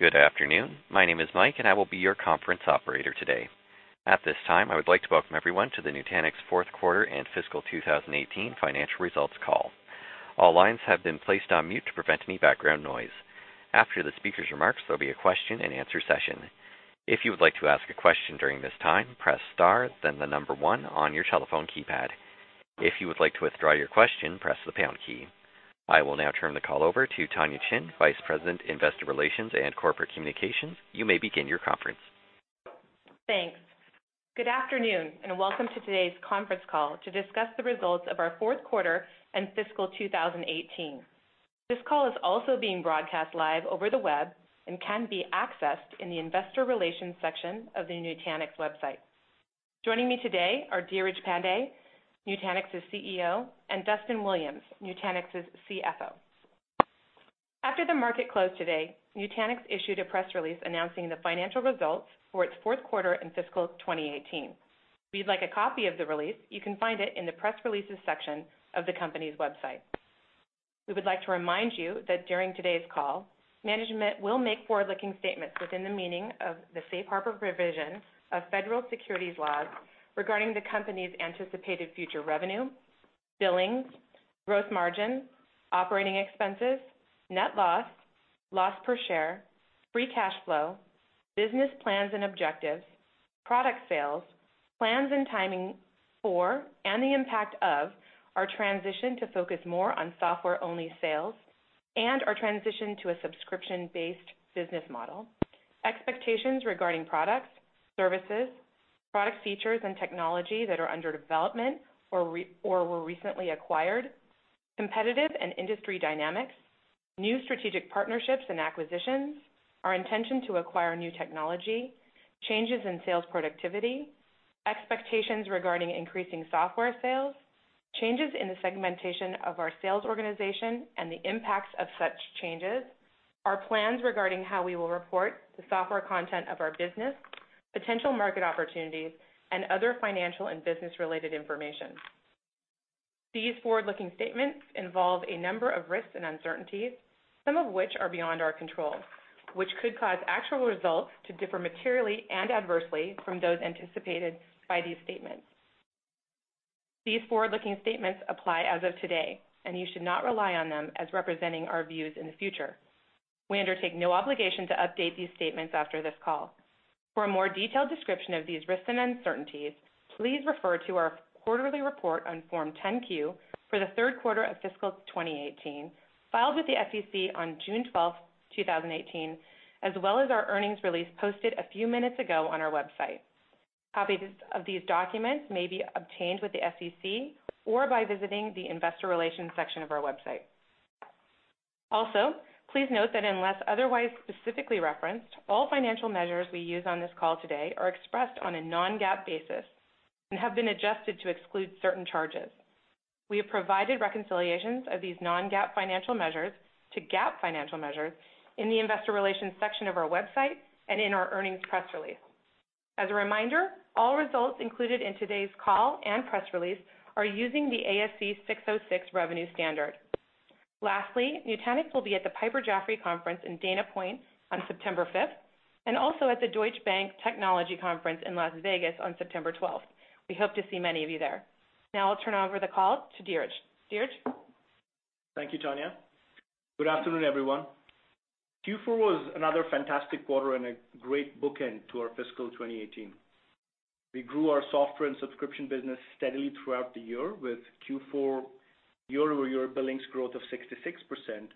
Good afternoon. My name is Mike, and I will be your conference operator today. At this time, I would like to welcome everyone to the Nutanix fourth quarter and fiscal 2018 financial results call. All lines have been placed on mute to prevent any background noise. After the speaker's remarks, there'll be a question and answer session. If you would like to ask a question during this time, press star, then the number one on your telephone keypad. If you would like to withdraw your question, press the pound key. I will now turn the call over to Tonya Chin, Vice President, Investor Relations and Corporate Communications. You may begin your conference. Thanks. Good afternoon, and welcome to today's conference call to discuss the results of our fourth quarter and fiscal 2018. This call is also being broadcast live over the web and can be accessed in the investor relations section of the Nutanix website. Joining me today are Dheeraj Pandey, Nutanix's CEO, and Duston Williams, Nutanix's CFO. After the market closed today, Nutanix issued a press release announcing the financial results for its fourth quarter in fiscal 2018. If you'd like a copy of the release, you can find it in the press releases section of the company's website. We would like to remind you that during today's call, management will make forward-looking statements within the meaning of the safe harbor provision of federal securities laws regarding the company's anticipated future revenue, billings, gross margin, operating expenses, net loss per share, free cash flow, business plans and objectives, product sales, plans and timing for, and the impact of our transition to focus more on software-only sales and our transition to a subscription-based business model. Expectations regarding products, services, product features, and technology that are under development or were recently acquired, competitive and industry dynamics, new strategic partnerships and acquisitions, our intention to acquire new technology, changes in sales productivity, expectations regarding increasing software sales, changes in the segmentation of our sales organization and the impacts of such changes, our plans regarding how we will report the software content of our business, potential market opportunities, and other financial and business-related information. These forward-looking statements involve a number of risks and uncertainties, some of which are beyond our control, which could cause actual results to differ materially and adversely from those anticipated by these statements. These forward-looking statements apply as of today, and you should not rely on them as representing our views in the future. We undertake no obligation to update these statements after this call. For a more detailed description of these risks and uncertainties, please refer to our quarterly report on Form 10-Q for the third quarter of fiscal 2018, filed with the SEC on June 12th, 2018, as well as our earnings release posted a few minutes ago on our website. Copies of these documents may be obtained with the SEC or by visiting the investor relations section of our website. Also, please note that unless otherwise specifically referenced, all financial measures we use on this call today are expressed on a non-GAAP basis and have been adjusted to exclude certain charges. We have provided reconciliations of these non-GAAP financial measures to GAAP financial measures in the investor relations section of our website and in our earnings press release. As a reminder, all results included in today's call and press release are using the ASC 606 revenue standard. Nutanix will be at the Piper Jaffray conference in Dana Point on September fifth, and also at the Deutsche Bank Technology Conference in Las Vegas on September 12th. We hope to see many of you there. Now I'll turn over the call to Dheeraj. Dheeraj? Thank you, Tonya. Good afternoon, everyone. Q4 was another fantastic quarter and a great bookend to our fiscal 2018. We grew our software and subscription business steadily throughout the year with Q4 year-over-year billings growth of 66%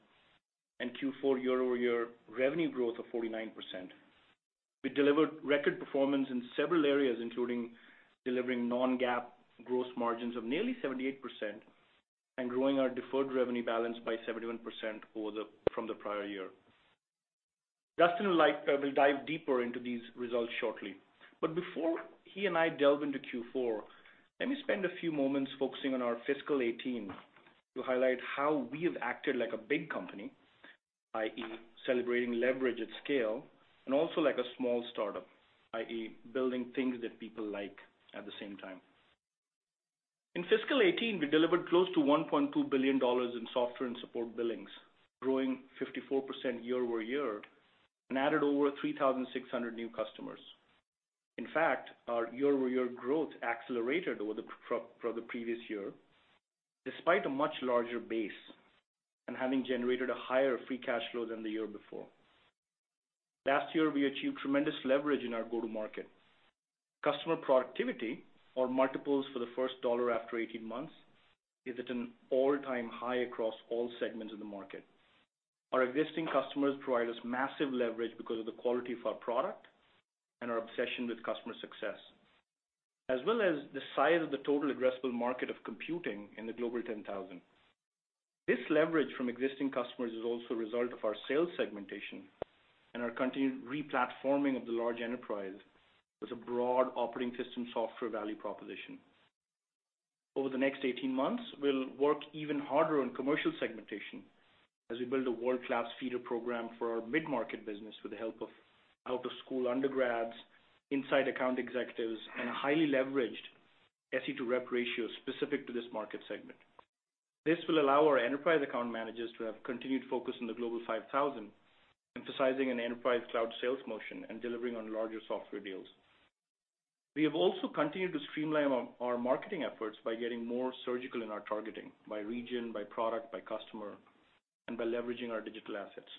and Q4 year-over-year revenue growth of 49%. We delivered record performance in several areas, including delivering non-GAAP gross margins of nearly 78% and growing our deferred revenue balance by 71% from the prior year. Duston will dive deeper into these results shortly. Before he and I delve into Q4, let me spend a few moments focusing on our fiscal 2018 to highlight how we have acted like a big company, i.e., celebrating leverage at scale, and also like a small startup, i.e., building things that people like at the same time. In fiscal 2018, we delivered close to $1.2 billion in software and support billings, growing 54% year-over-year, and added over 3,600 new customers. In fact, our year-over-year growth accelerated over from the previous year, despite a much larger base and having generated a higher free cash flow than the year before. Last year, we achieved tremendous leverage in our go-to-market. Customer productivity, or multiples for the first dollar after 18 months, is at an all-time high across all segments of the market. Our existing customers provide us massive leverage because of the quality of our product and our obsession with customer success, as well as the size of the total addressable market of computing in the Global 10,000. This leverage from existing customers is also a result of our sales segmentation and our continued re-platforming of the large enterprise with a broad operating system software value proposition. Over the next 18 months, we will work even harder on commercial segmentation as we build a world-class feeder program for our mid-market business with the help of out-of-school undergrads, inside account executives, and a highly leveraged SE-to-rep ratio specific to this market segment. This will allow our enterprise account managers to have continued focus on the Global 5000, emphasizing an enterprise cloud sales motion and delivering on larger software deals. We have also continued to streamline our marketing efforts by getting more surgical in our targeting by region, by product, by customer, and by leveraging our digital assets.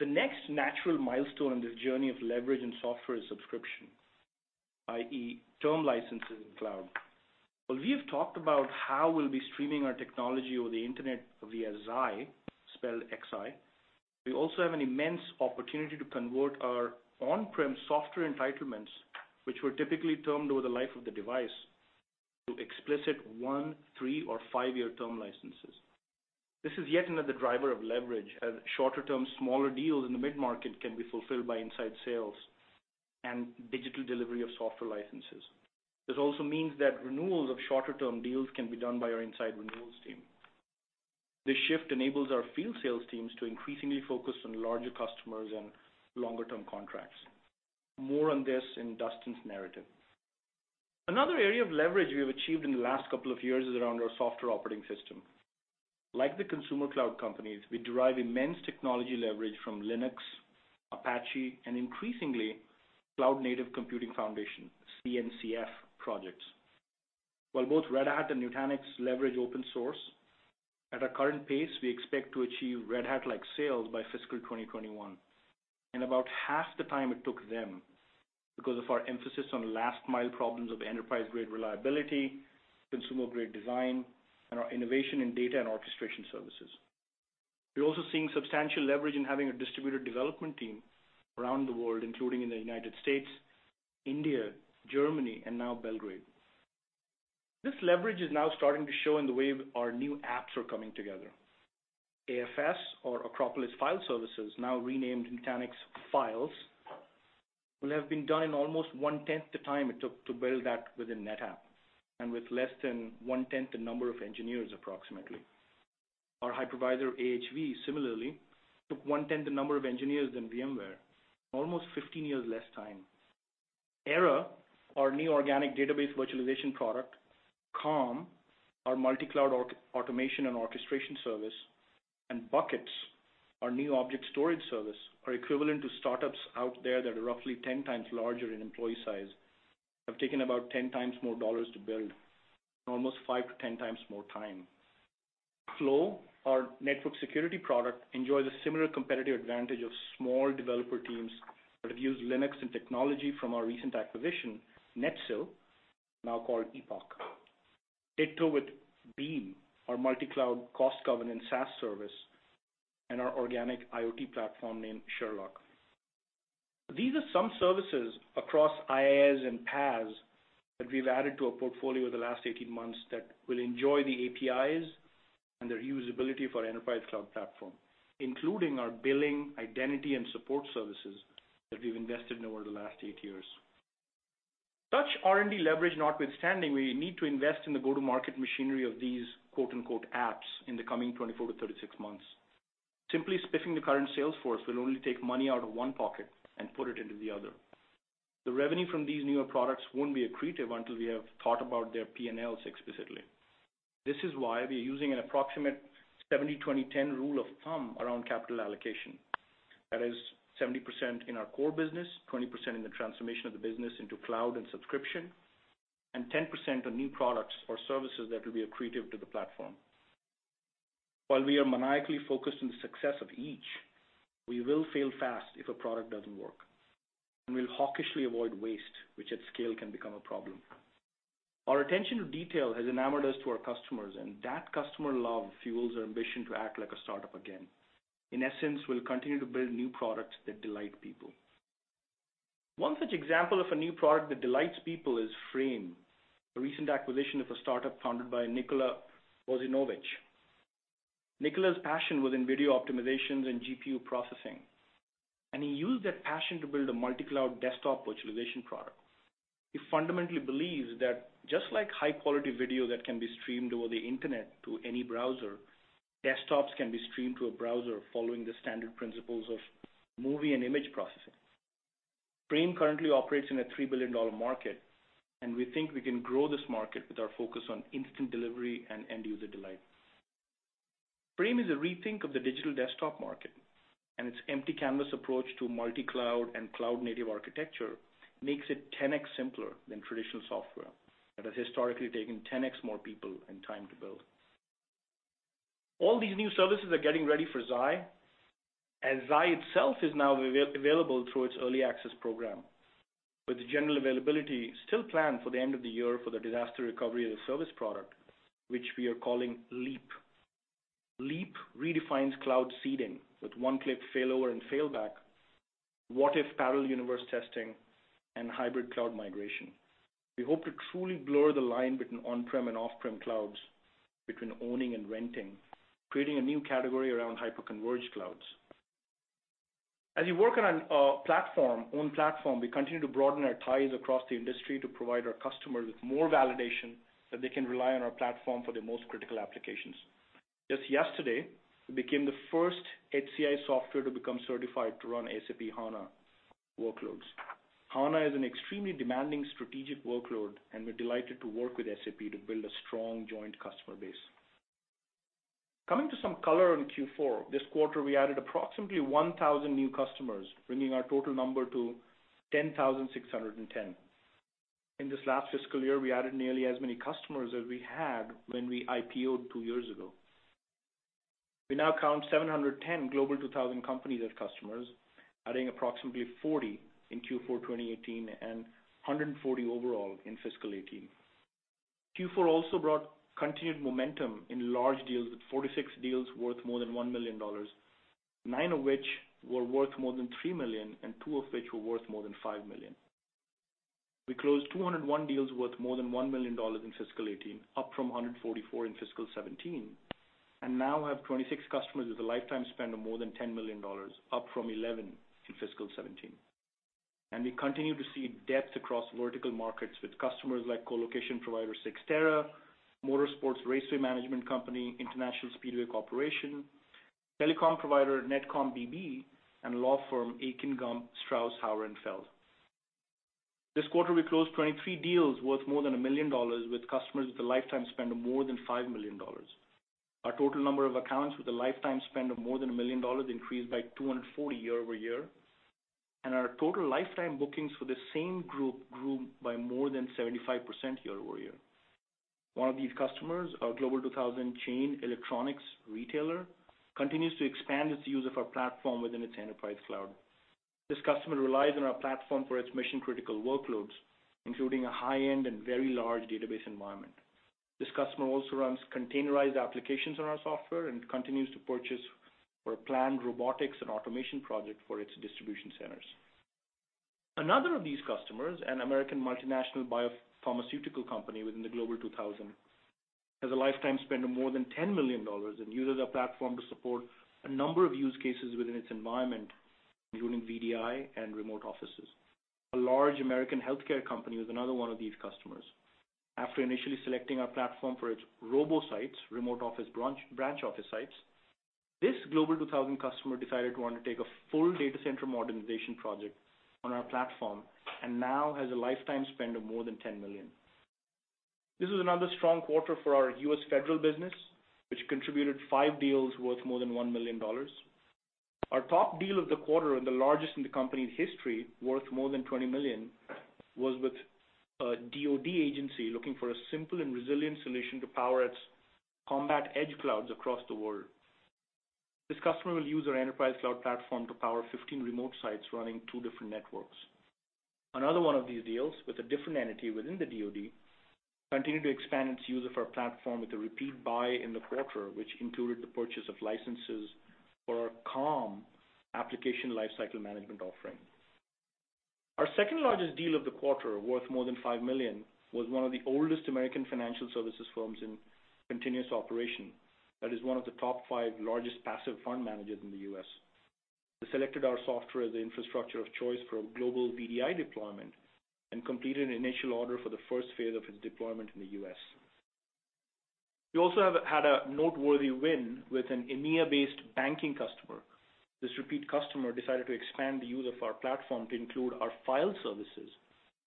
The next natural milestone in this journey of leverage in software is subscription, i.e., term licenses in cloud. While we have talked about how we will be streaming our technology over the internet via Xi, spelled X-I, we also have an immense opportunity to convert our on-prem software entitlements, which were typically termed over the life of the device, to explicit one, three, or five-year term licenses. This is yet another driver of leverage, as shorter-term, smaller deals in the mid-market can be fulfilled by inside sales and digital delivery of software licenses. This also means that renewals of shorter-term deals can be done by our inside renewals team. This shift enables our field sales teams to increasingly focus on larger customers and longer-term contracts. More on this in Duston's narrative. Another area of leverage we have achieved in the last couple of years is around our software operating system. Like the consumer cloud companies, we derive immense technology leverage from Linux, Apache, and increasingly, Cloud Native Computing Foundation, CNCF projects. While both Red Hat and Nutanix leverage open source, at our current pace, we expect to achieve Red Hat-like sales by fiscal 2021, in about half the time it took them because of our emphasis on last-mile problems of enterprise-grade reliability, consumer-grade design, and our innovation in data and orchestration services. We are also seeing substantial leverage in having a distributed development team around the world, including in the United States, India, Germany, and now Belgrade. This leverage is now starting to show in the way our new apps are coming together. AFS, or Acropolis File Services, now renamed Nutanix Files, will have been done in almost one-tenth the time it took to build that within NetApp, and with less than one-tenth the number of engineers approximately. Our hypervisor, AHV, similarly, took one-tenth the number of engineers than VMware, almost 15 years less time. Era, our new organic database virtualization product, Calm, our multi-cloud automation and orchestration service, and Buckets, our new object storage service, are equivalent to startups out there that are roughly 10 times larger in employee size, have taken about 10 times more dollars to build, and almost five to 10 times more time. Flow, our network security product, enjoys a similar competitive advantage of small developer teams that have used Linux and technology from our recent acquisition, Netsil, now called Epoch. Ditto with Beam, our multi-cloud cost governance SaaS service, and our organic IoT platform named Sherlock. These are some services across IaaS and PaaS that we've added to our portfolio the last 18 months that will enjoy the APIs and their usability for our enterprise cloud platform, including our billing, identity, and support services that we've invested in over the last eight years. Such R&D leverage notwithstanding, we need to invest in the go-to-market machinery of these, quote-unquote, apps in the coming 24-36 months. Simply spiffing the current sales force will only take money out of one pocket and put it into the other. The revenue from these newer products won't be accretive until we have thought about their P&Ls explicitly. This is why we are using an approximate 70/20/10 rule of thumb around capital allocation. That is 70% in our core business, 20% in the transformation of the business into cloud and subscription, and 10% on new products or services that will be accretive to the platform. While we are maniacally focused on the success of each, we will fail fast if a product doesn't work. We'll hawkishly avoid waste, which at scale can become a problem. Our attention to detail has enamored us to our customers, and that customer love fuels our ambition to act like a startup again. In essence, we'll continue to build new products that delight people. One such example of a new product that delights people is Frame, a recent acquisition of a startup founded by Nikola Bozinovic. Nikola's passion was in video optimizations and GPU processing, and he used that passion to build a multi-cloud desktop virtualization product. He fundamentally believes that just like high-quality video that can be streamed over the internet to any browser, desktops can be streamed to a browser following the standard principles of movie and image processing. Frame currently operates in a $3 billion market, and we think we can grow this market with our focus on instant delivery and end-user delight. Frame is a rethink of the digital desktop market, and its empty canvas approach to multi-cloud and cloud-native architecture makes it 10x simpler than traditional software that has historically taken 10x more people and time to build. All these new services are getting ready for Xi, as Xi itself is now available through its early access program, with the general availability still planned for the end of the year for the disaster recovery as a service product, which we are calling Leap. Leap redefines cloud seeding with one-click failover and failback, what if parallel universe testing, and hybrid cloud migration. We hope to truly blur the line between on-prem and off-prem clouds, between owning and renting, creating a new category around hyper-converged clouds. As we work on our platform, own platform, we continue to broaden our ties across the industry to provide our customers with more validation that they can rely on our platform for their most critical applications. Just yesterday, we became the first HCI software to become certified to run SAP HANA workloads. HANA is an extremely demanding strategic workload, and we're delighted to work with SAP to build a strong joint customer base. Coming to some color on Q4, this quarter we added approximately 1,000 new customers, bringing our total number to 10,610. In this last fiscal year, we added nearly as many customers as we had when we IPO-ed two years ago. We now count 710 Global 2000 companies as customers, adding approximately 40 in Q4 2018 and 140 overall in fiscal 2018. Q4 also brought continued momentum in large deals, with 46 deals worth more than $1 million, 9 of which were worth more than $3 million, and 2 of which were worth more than $5 million. We closed 201 deals worth more than $1 million in fiscal 2018, up from 144 in fiscal 2017, and now have 26 customers with a lifetime spend of more than $10 million, up from 11 in fiscal 2017. We continue to see depth across vertical markets with customers like colocation provider Cyxtera, motorsports raceway management company International Speedway Corporation, telecom provider Netcom BB, and law firm Akin Gump Strauss Hauer & Feld. This quarter, we closed 23 deals worth more than $1 million with customers with a lifetime spend of more than $5 million. Our total number of accounts with a lifetime spend of more than $1 million increased by 240 year-over-year, and our total lifetime bookings for the same group grew by more than 75% year-over-year. One of these customers, a Global 2000 chain electronics retailer, continues to expand its use of our platform within its enterprise cloud. This customer relies on our platform for its mission-critical workloads, including a high-end and very large database environment. This customer also runs containerized applications on our software and continues to purchase for a planned robotics and automation project for its distribution centers. Another of these customers, an American multinational biopharmaceutical company within the Global 2000, has a lifetime spend of more than $10 million and uses our platform to support a number of use cases within its environment, including VDI and remote offices. A large American healthcare company is another one of these customers. After initially selecting our platform for its robo-sites, remote office branch office sites, this Global 2000 customer decided it wanted to take a full data center modernization project on our platform, and now has a lifetime spend of more than $10 million. This was another strong quarter for our U.S. federal business, which contributed 5 deals worth more than $1 million. Our top deal of the quarter, and the largest in the company's history, worth more than $20 million, was with a DoD agency looking for a simple and resilient solution to power its combat edge clouds across the world. This customer will use our enterprise cloud platform to power 15 remote sites running two different networks. Another one of these deals with a different entity within the DoD continued to expand its use of our platform with a repeat buy in the quarter, which included the purchase of licenses for our Nutanix Calm application lifecycle management offering. Our second-largest deal of the quarter, worth more than $5 million, was one of the oldest American financial services firms in continuous operation. That is one of the top 5 largest passive fund managers in the U.S. They selected our software as the infrastructure of choice for a global VDI deployment and completed an initial order for the first phase of its deployment in the U.S. We also have had a noteworthy win with an India-based banking customer. This repeat customer decided to expand the use of our platform to include our file services,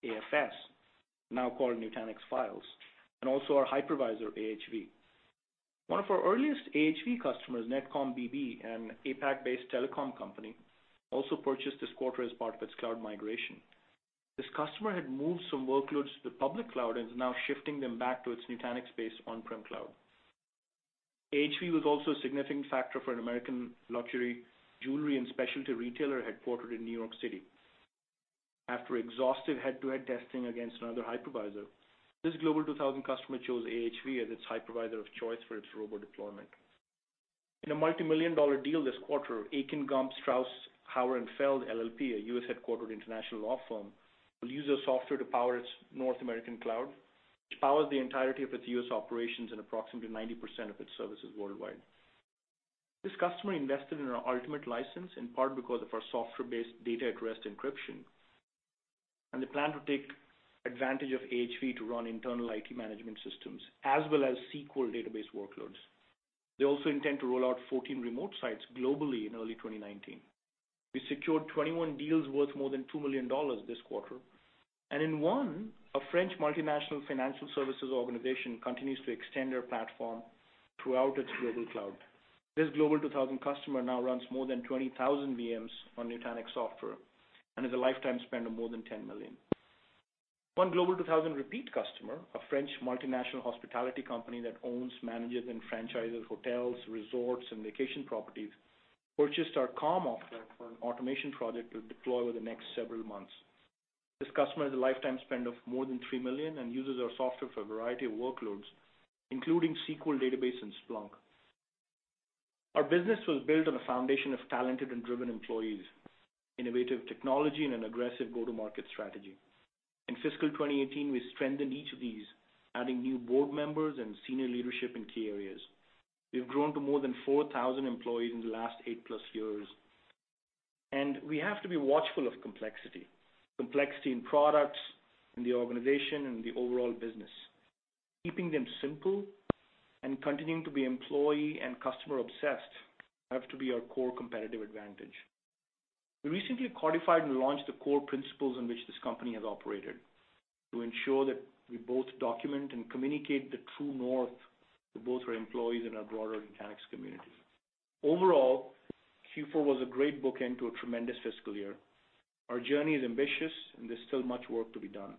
AFS, now called Nutanix Files, and also our hypervisor, AHV. One of our earliest AHV customers, Netcom BB, an APAC-based telecom company, also purchased this quarter as part of its cloud migration. This customer had moved some workloads to the public cloud and is now shifting them back to its Nutanix-based on-prem cloud. AHV was also a significant factor for an American luxury jewelry and specialty retailer headquartered in New York City. After exhaustive head-to-head testing against another hypervisor, this Global 2000 customer chose AHV as its hypervisor of choice for its robo-deployment. In a multimillion-dollar deal this quarter, Akin Gump Strauss Hauer & Feld LLP, a U.S.-headquartered international law firm, will use our software to power its North American cloud, which powers the entirety of its U.S. operations and approximately 90% of its services worldwide. This customer invested in an ultimate license in part because of our software-based data-at-rest encryption, and they plan to take advantage of AHV to run internal IT management systems as well as SQL database workloads. They also intend to roll out 14 remote sites globally in early 2019. We secured 21 deals worth more than $2 million this quarter. In one, a French multinational financial services organization continues to extend our platform throughout its global cloud. This Global 2000 customer now runs more than 20,000 VMs on Nutanix software and has a lifetime spend of more than $10 million. One Global 2000 repeat customer, a French multinational hospitality company that owns, manages, and franchises hotels, resorts, and vacation properties, purchased our Calm offering for an automation project to deploy over the next several months. This customer has a lifetime spend of more than $3 million and uses our software for a variety of workloads, including SQL database and Splunk. Our business was built on a foundation of talented and driven employees, innovative technology, and an aggressive go-to-market strategy. In fiscal 2018, we strengthened each of these, adding new board members and senior leadership in key areas. We've grown to more than 4,000 employees in the last eight-plus years. We have to be watchful of complexity. Complexity in products, in the organization, and the overall business. Keeping them simple and continuing to be employee and customer obsessed have to be our core competitive advantage. We recently codified and launched the core principles on which this company has operated to ensure that we both document and communicate the true north to both our employees and our broader Nutanix community. Overall, Q4 was a great bookend to a tremendous fiscal year. Our journey is ambitious, and there's still much work to be done.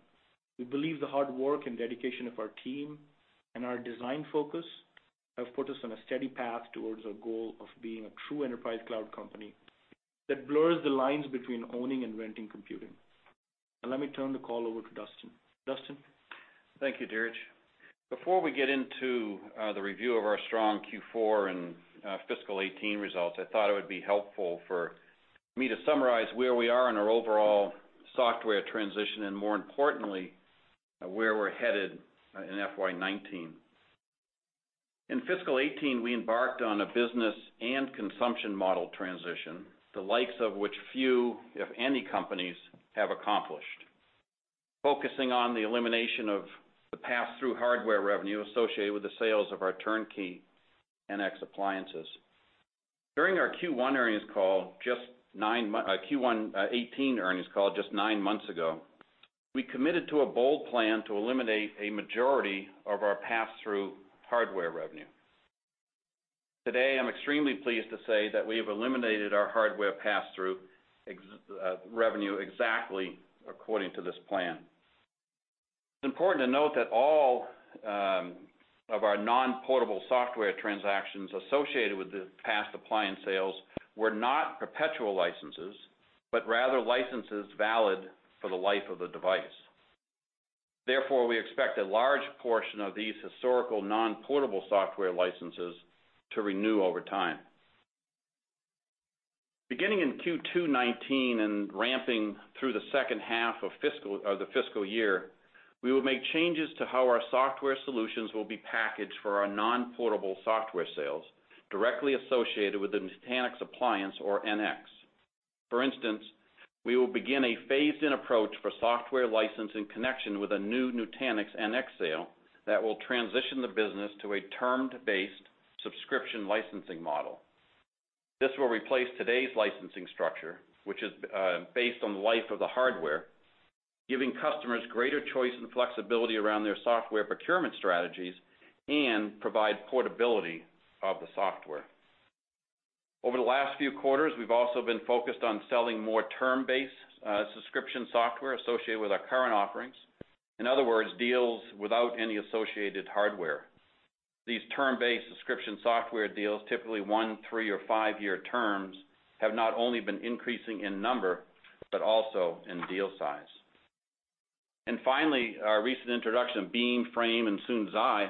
We believe the hard work and dedication of our team and our design focus have put us on a steady path towards our goal of being a true enterprise cloud company that blurs the lines between owning and renting computing. Now let me turn the call over to Duston. Duston? Thank you, Dheeraj. Before we get into the review of our strong Q4 and fiscal 2018 results, I thought it would be helpful for me to summarize where we are in our overall software transition and more importantly, where we're headed in FY 2019. In fiscal 2018, we embarked on a business and consumption model transition, the likes of which few, if any companies, have accomplished, focusing on the elimination of the pass-through hardware revenue associated with the sales of our turnkey NX appliances. During our Q1 2018 earnings call just nine months ago, I committed to a bold plan to eliminate a majority of our pass-through hardware revenue. Today, I'm extremely pleased to say that we have eliminated our hardware pass-through revenue exactly according to this plan. It's important to note that all of our non-portable software transactions associated with the past appliance sales were not perpetual licenses, but rather licenses valid for the life of the device. Therefore, we expect a large portion of these historical non-portable software licenses to renew over time. Beginning in Q2 2019 and ramping through the second half of the fiscal year, we will make changes to how our software solutions will be packaged for our non-portable software sales directly associated with the Nutanix appliance or NX. For instance, we will begin a phased-in approach for software licensing connection with a new Nutanix NX sale that will transition the business to a term-based subscription licensing model. This will replace today's licensing structure, which is based on the life of the hardware, giving customers greater choice and flexibility around their software procurement strategies and provide portability of the software. Over the last few quarters, we've also been focused on selling more term-based subscription software associated with our current offerings. In other words, deals without any associated hardware. These term-based subscription software deals, typically one, three, or five-year terms, have not only been increasing in number, but also in deal size. Our recent introduction of Beam, Frame, and soon Xi,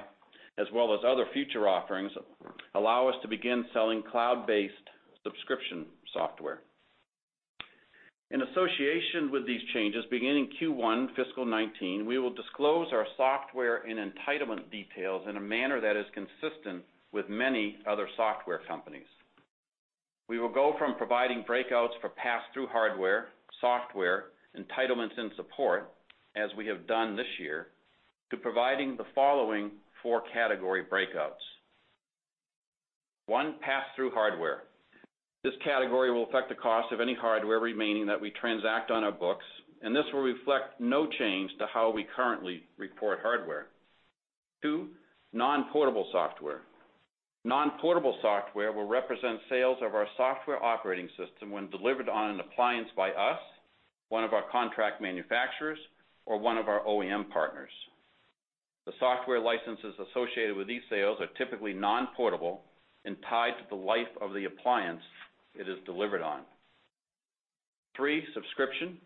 as well as other future offerings, allow us to begin selling cloud-based subscription software. In association with these changes, beginning Q1 fiscal 2019, we will disclose our software and entitlement details in a manner that is consistent with many other software companies. We will go from providing breakouts for pass-through hardware, software, entitlements, and support, as we have done this year, to providing the following 4 category breakouts. 1. pass-through hardware. This category will affect the cost of any hardware remaining that we transact on our books. This will reflect no change to how we currently report hardware. 2. non-portable software. Non-portable software will represent sales of our software operating system when delivered on an appliance by us, one of our contract manufacturers, or one of our OEM partners. The software licenses associated with these sales are typically non-portable and tied to the life of the appliance it is delivered on. 3. subscription.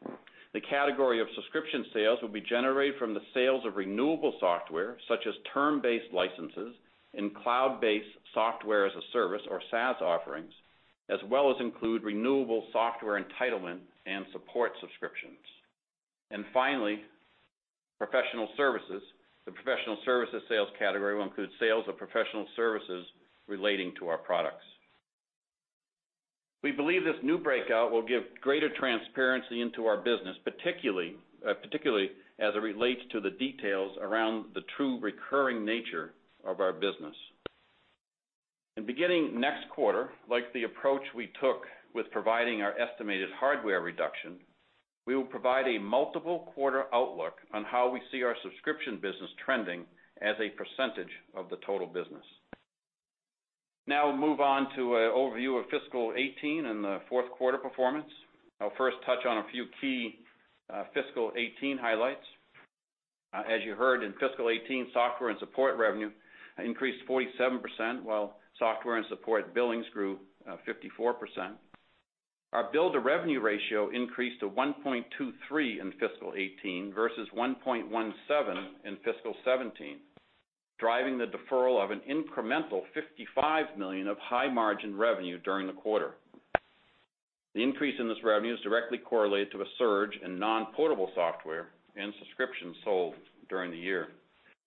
The category of subscription sales will be generated from the sales of renewable software, such as term-based licenses and cloud-based software-as-a-service, or SaaS offerings, as well as include renewable software entitlement and support subscriptions. Professional services. The professional services sales category will include sales of professional services relating to our products. We believe this new breakout will give greater transparency into our business, particularly as it relates to the details around the true recurring nature of our business. Beginning next quarter, like the approach we took with providing our estimated hardware reduction, we will provide a multiple quarter outlook on how we see our subscription business trending as a percentage of the total business. We'll move on to an overview of fiscal 2018 and the fourth quarter performance. I'll first touch on a few key fiscal 2018 highlights. As you heard, in fiscal 2018, software and support revenue increased 47%, while software and support billings grew 54%. Our bill to revenue ratio increased to 1.23 in fiscal 2018 versus 1.17 in fiscal 2017, driving the deferral of an incremental $55 million of high margin revenue during the quarter. The increase in this revenue is directly correlated to a surge in non-portable software and subscriptions sold during the year.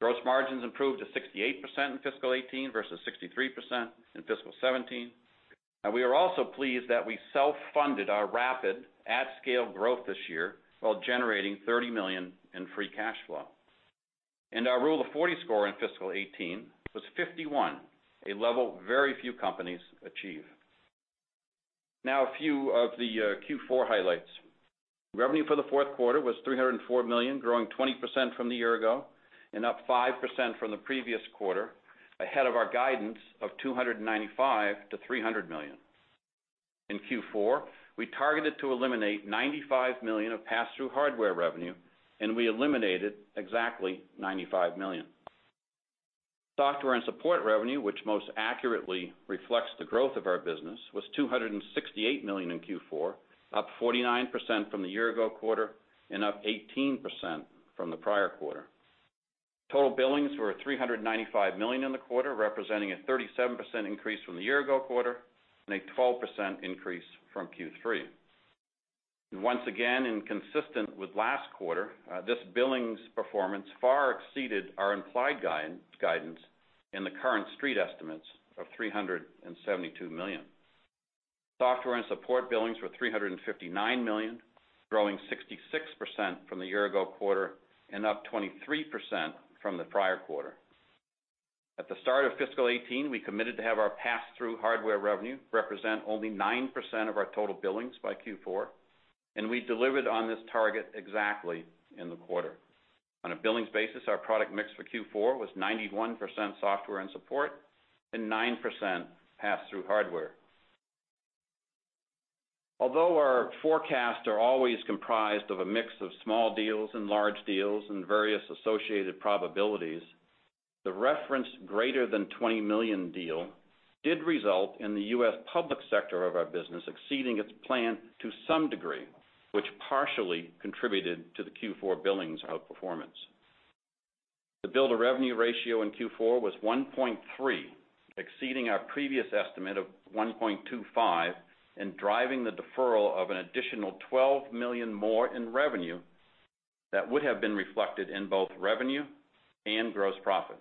Gross margins improved to 68% in fiscal 2018 versus 63% in fiscal 2017. We are also pleased that we self-funded our rapid at-scale growth this year while generating $30 million in free cash flow. Our Rule of 40 score in fiscal 2018 was 51, a level very few companies achieve. A few of the Q4 highlights. Revenue for the fourth quarter was $304 million, growing 20% from the year ago, and up 5% from the previous quarter, ahead of our guidance of $295 million-$300 million. In Q4, we targeted to eliminate $95 million of pass-through hardware revenue, and we eliminated exactly $95 million. Software and support revenue, which most accurately reflects the growth of our business, was $268 million in Q4, up 49% from the year ago quarter, and up 18% from the prior quarter. Total billings were $395 million in the quarter, representing a 37% increase from the year ago quarter, and a 12% increase from Q3. Once again, consistent with last quarter, this billings performance far exceeded our implied guidance in the current street estimates of $372 million. Software and support billings were $359 million, growing 66% from the year ago quarter, and up 23% from the prior quarter. At the start of fiscal 2018, we committed to have our pass-through hardware revenue represent only 9% of our total billings by Q4, and we delivered on this target exactly in the quarter. On a billings basis, our product mix for Q4 was 91% software and support, and 9% pass-through hardware. Although our forecasts are always comprised of a mix of small deals and large deals and various associated probabilities, the referenced greater than $20 million deal did result in the U.S. public sector of our business exceeding its plan to some degree, which partially contributed to the Q4 billings outperformance. The bill to revenue ratio in Q4 was 1.3, exceeding our previous estimate of 1.25, driving the deferral of an additional $12 million more in revenue that would have been reflected in both revenue and gross profit.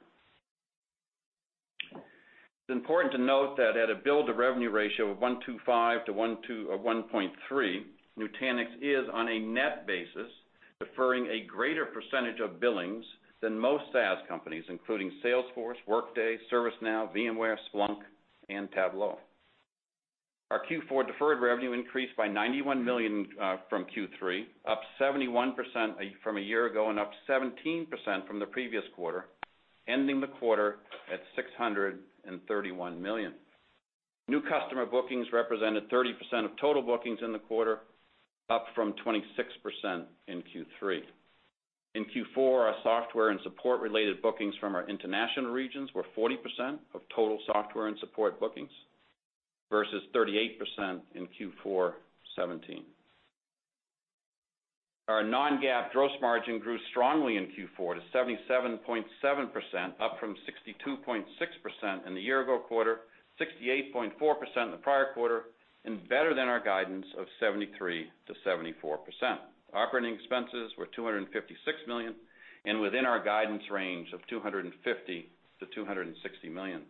It's important to note that at a bill to revenue ratio of 1.25-1.3, Nutanix is, on a net basis, deferring a greater percentage of billings than most SaaS companies, including Salesforce, Workday, ServiceNow, VMware, Splunk, and Tableau. Our Q4 deferred revenue increased by $91 million from Q3, up 71% from a year ago, up 17% from the previous quarter, ending the quarter at $631 million. New customer bookings represented 30% of total bookings in the quarter, up from 26% in Q3. In Q4, our software and support-related bookings from our international regions were 40% of total software and support bookings, versus 38% in Q4 2017. Our non-GAAP gross margin grew strongly in Q4 to 77.7%, up from 62.6% in the year-ago quarter, 68.4% in the prior quarter, and better than our guidance of 73%-74%. Operating expenses were $256 million, within our guidance range of $250 million-$260 million.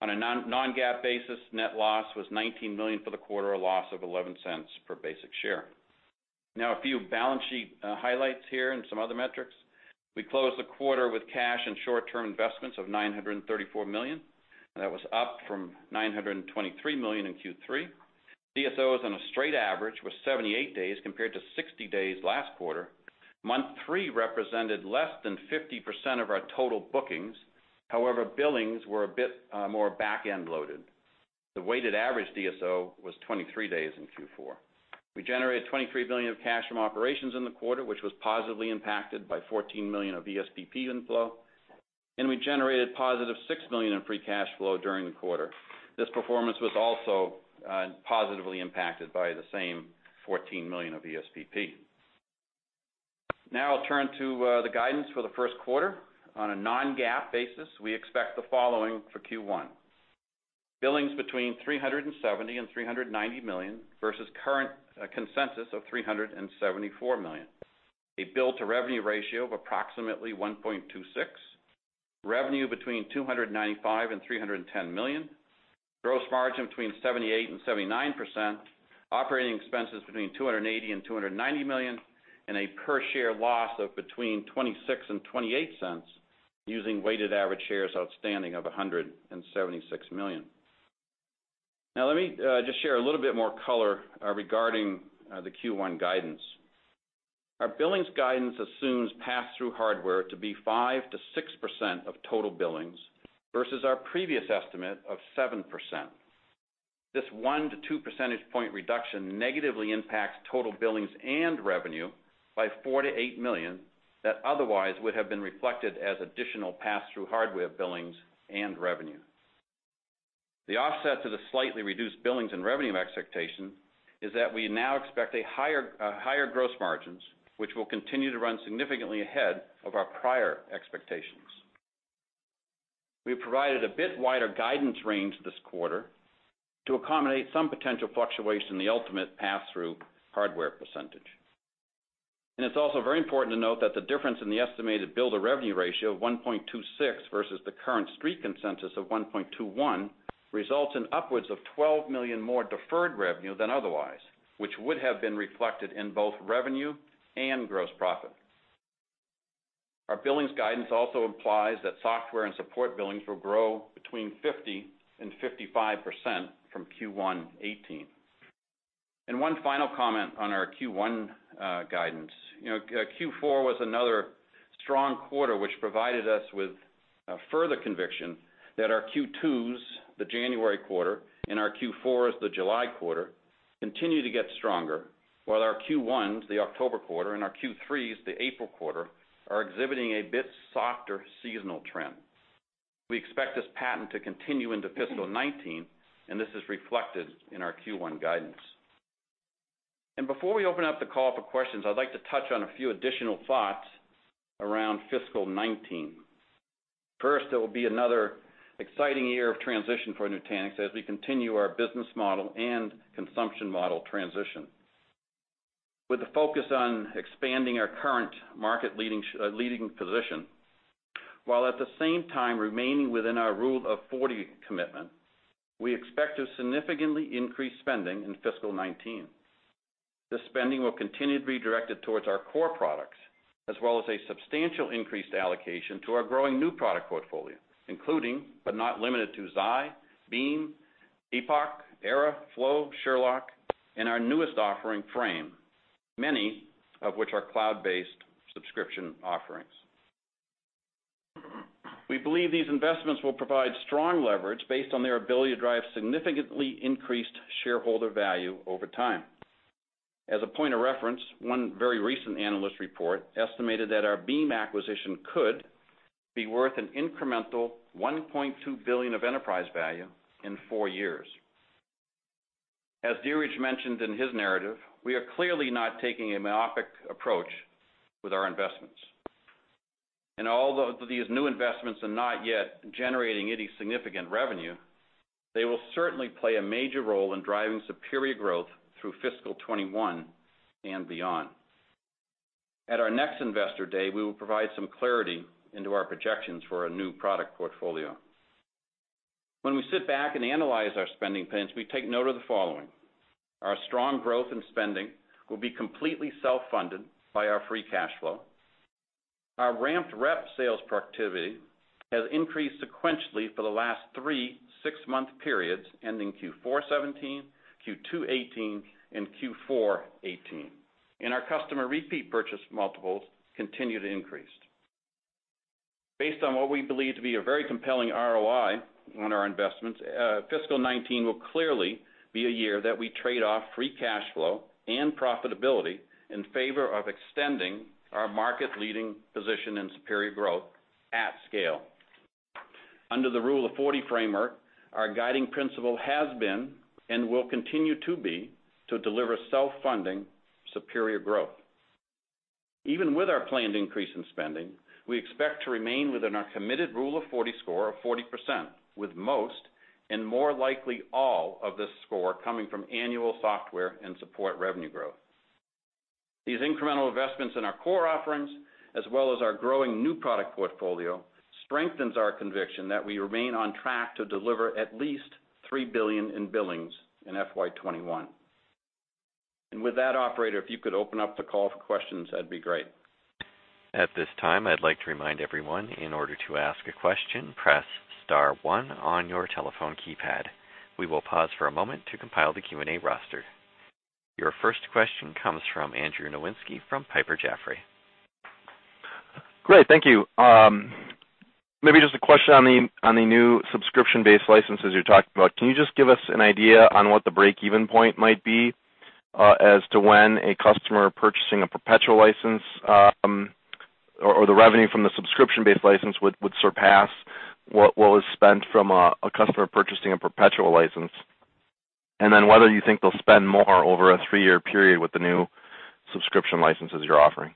On a non-GAAP basis, net loss was $19 million for the quarter, a loss of $0.11 per basic share. Now, a few balance sheet highlights here and some other metrics. We closed the quarter with cash and short-term investments of $934 million. That was up from $923 million in Q3. DSOs on a straight average were 78 days compared to 60 days last quarter. Month three represented less than 50% of our total bookings. However, billings were a bit more back-end loaded. The weighted average DSO was 23 days in Q4. We generated $23 million of cash from operations in the quarter, which was positively impacted by $14 million of ESPP inflow. We generated positive $6 million in free cash flow during the quarter. This performance was also positively impacted by the same $14 million of ESPP. Now I'll turn to the guidance for the first quarter. On a non-GAAP basis, we expect the following for Q1. Billings between $370 million-$390 million versus current consensus of $374 million. A bill to revenue ratio of approximately 1.26. Revenue between $295 million-$310 million. Gross margin between 78%-79%. Operating expenses between $280 million-$290 million. A per-share loss of between $0.26-$0.28 using weighted average shares outstanding of 176 million. Now let me just share a little bit more color regarding the Q1 guidance. Our billings guidance assumes pass-through hardware to be 5%-6% of total billings versus our previous estimate of 7%. This one to two percentage point reduction negatively impacts total billings and revenue by $4 million-$8 million that otherwise would have been reflected as additional pass-through hardware billings and revenue. The offset to the slightly reduced billings and revenue expectation is that we now expect higher gross margins, which will continue to run significantly ahead of our prior expectations. We've provided a bit wider guidance range this quarter to accommodate some potential fluctuation in the ultimate pass-through hardware percentage. It's also very important to note that the difference in the estimated bill to revenue ratio of 1.26 versus the current Street consensus of 1.21 results in upwards of $12 million more deferred revenue than otherwise, which would have been reflected in both revenue and gross profit. Our billings guidance also implies that software and support billings will grow between 50%-55% from Q1 2018. One final comment on our Q1 guidance. Q4 was another strong quarter, which provided us with further conviction that our Q2s, the January quarter, and our Q4s, the July quarter, continue to get stronger, while our Q1s, the October quarter, and our Q3s, the April quarter, are exhibiting a bit softer seasonal trend. Before we open up the call for questions, I'd like to touch on a few additional thoughts around fiscal 2019. First, it will be another exciting year of transition for Nutanix as we continue our business model and consumption model transition. With a focus on expanding our current market leading position, while at the same time remaining within our Rule of 40 commitment, we expect to significantly increase spending in fiscal 2019. This spending will continue to be directed towards our core products, as well as a substantial increased allocation to our growing new product portfolio, including, but not limited to, Xi, Beam, Epoch, Era, Flow, Sherlock, and our newest offering, Frame, many of which are cloud-based subscription offerings. We believe these investments will provide strong leverage based on their ability to drive significantly increased shareholder value over time. As a point of reference, one very recent analyst report estimated that our Beam acquisition could be worth an incremental $1.2 billion of enterprise value in four years. As Dheeraj mentioned in his narrative, we are clearly not taking a myopic approach with our investments. Although these new investments are not yet generating any significant revenue, they will certainly play a major role in driving superior growth through fiscal 2021 and beyond. At our next Investor Day, we will provide some clarity into our projections for our new product portfolio. When we sit back and analyze our spending plans, we take note of the following. Our strong growth in spending will be completely self-funded by our free cash flow. Our ramped rep sales productivity has increased sequentially for the last three six-month periods ending Q4 2017, Q2 2018, and Q4 2018. Our customer repeat purchase multiples continue to increase. Based on what we believe to be a very compelling ROI on our investments, fiscal 2019 will clearly be a year that we trade off free cash flow and profitability in favor of extending our market-leading position in superior growth at scale. Under the Rule of 40 framework, our guiding principle has been and will continue to be to deliver self-funding superior growth. Even with our planned increase in spending, we expect to remain within our committed Rule of 40 score of 40%, with most and more likely all of this score coming from annual software and support revenue growth. These incremental investments in our core offerings, as well as our growing new product portfolio, strengthens our conviction that we remain on track to deliver at least $3 billion in billings in FY 2021. With that, operator, if you could open up the call for questions, that'd be great. At this time, I'd like to remind everyone, in order to ask a question, press *1 on your telephone keypad. We will pause for a moment to compile the Q&A roster. Your first question comes from Andrew Nowinski from Piper Jaffray. Great. Thank you. Maybe just a question on the new subscription-based licenses you talked about. Can you just give us an idea on what the break-even point might be as to when a customer purchasing a perpetual license, or the revenue from the subscription-based license would surpass what was spent from a customer purchasing a perpetual license? Whether you think they'll spend more over a three-year period with the new subscription licenses you're offering.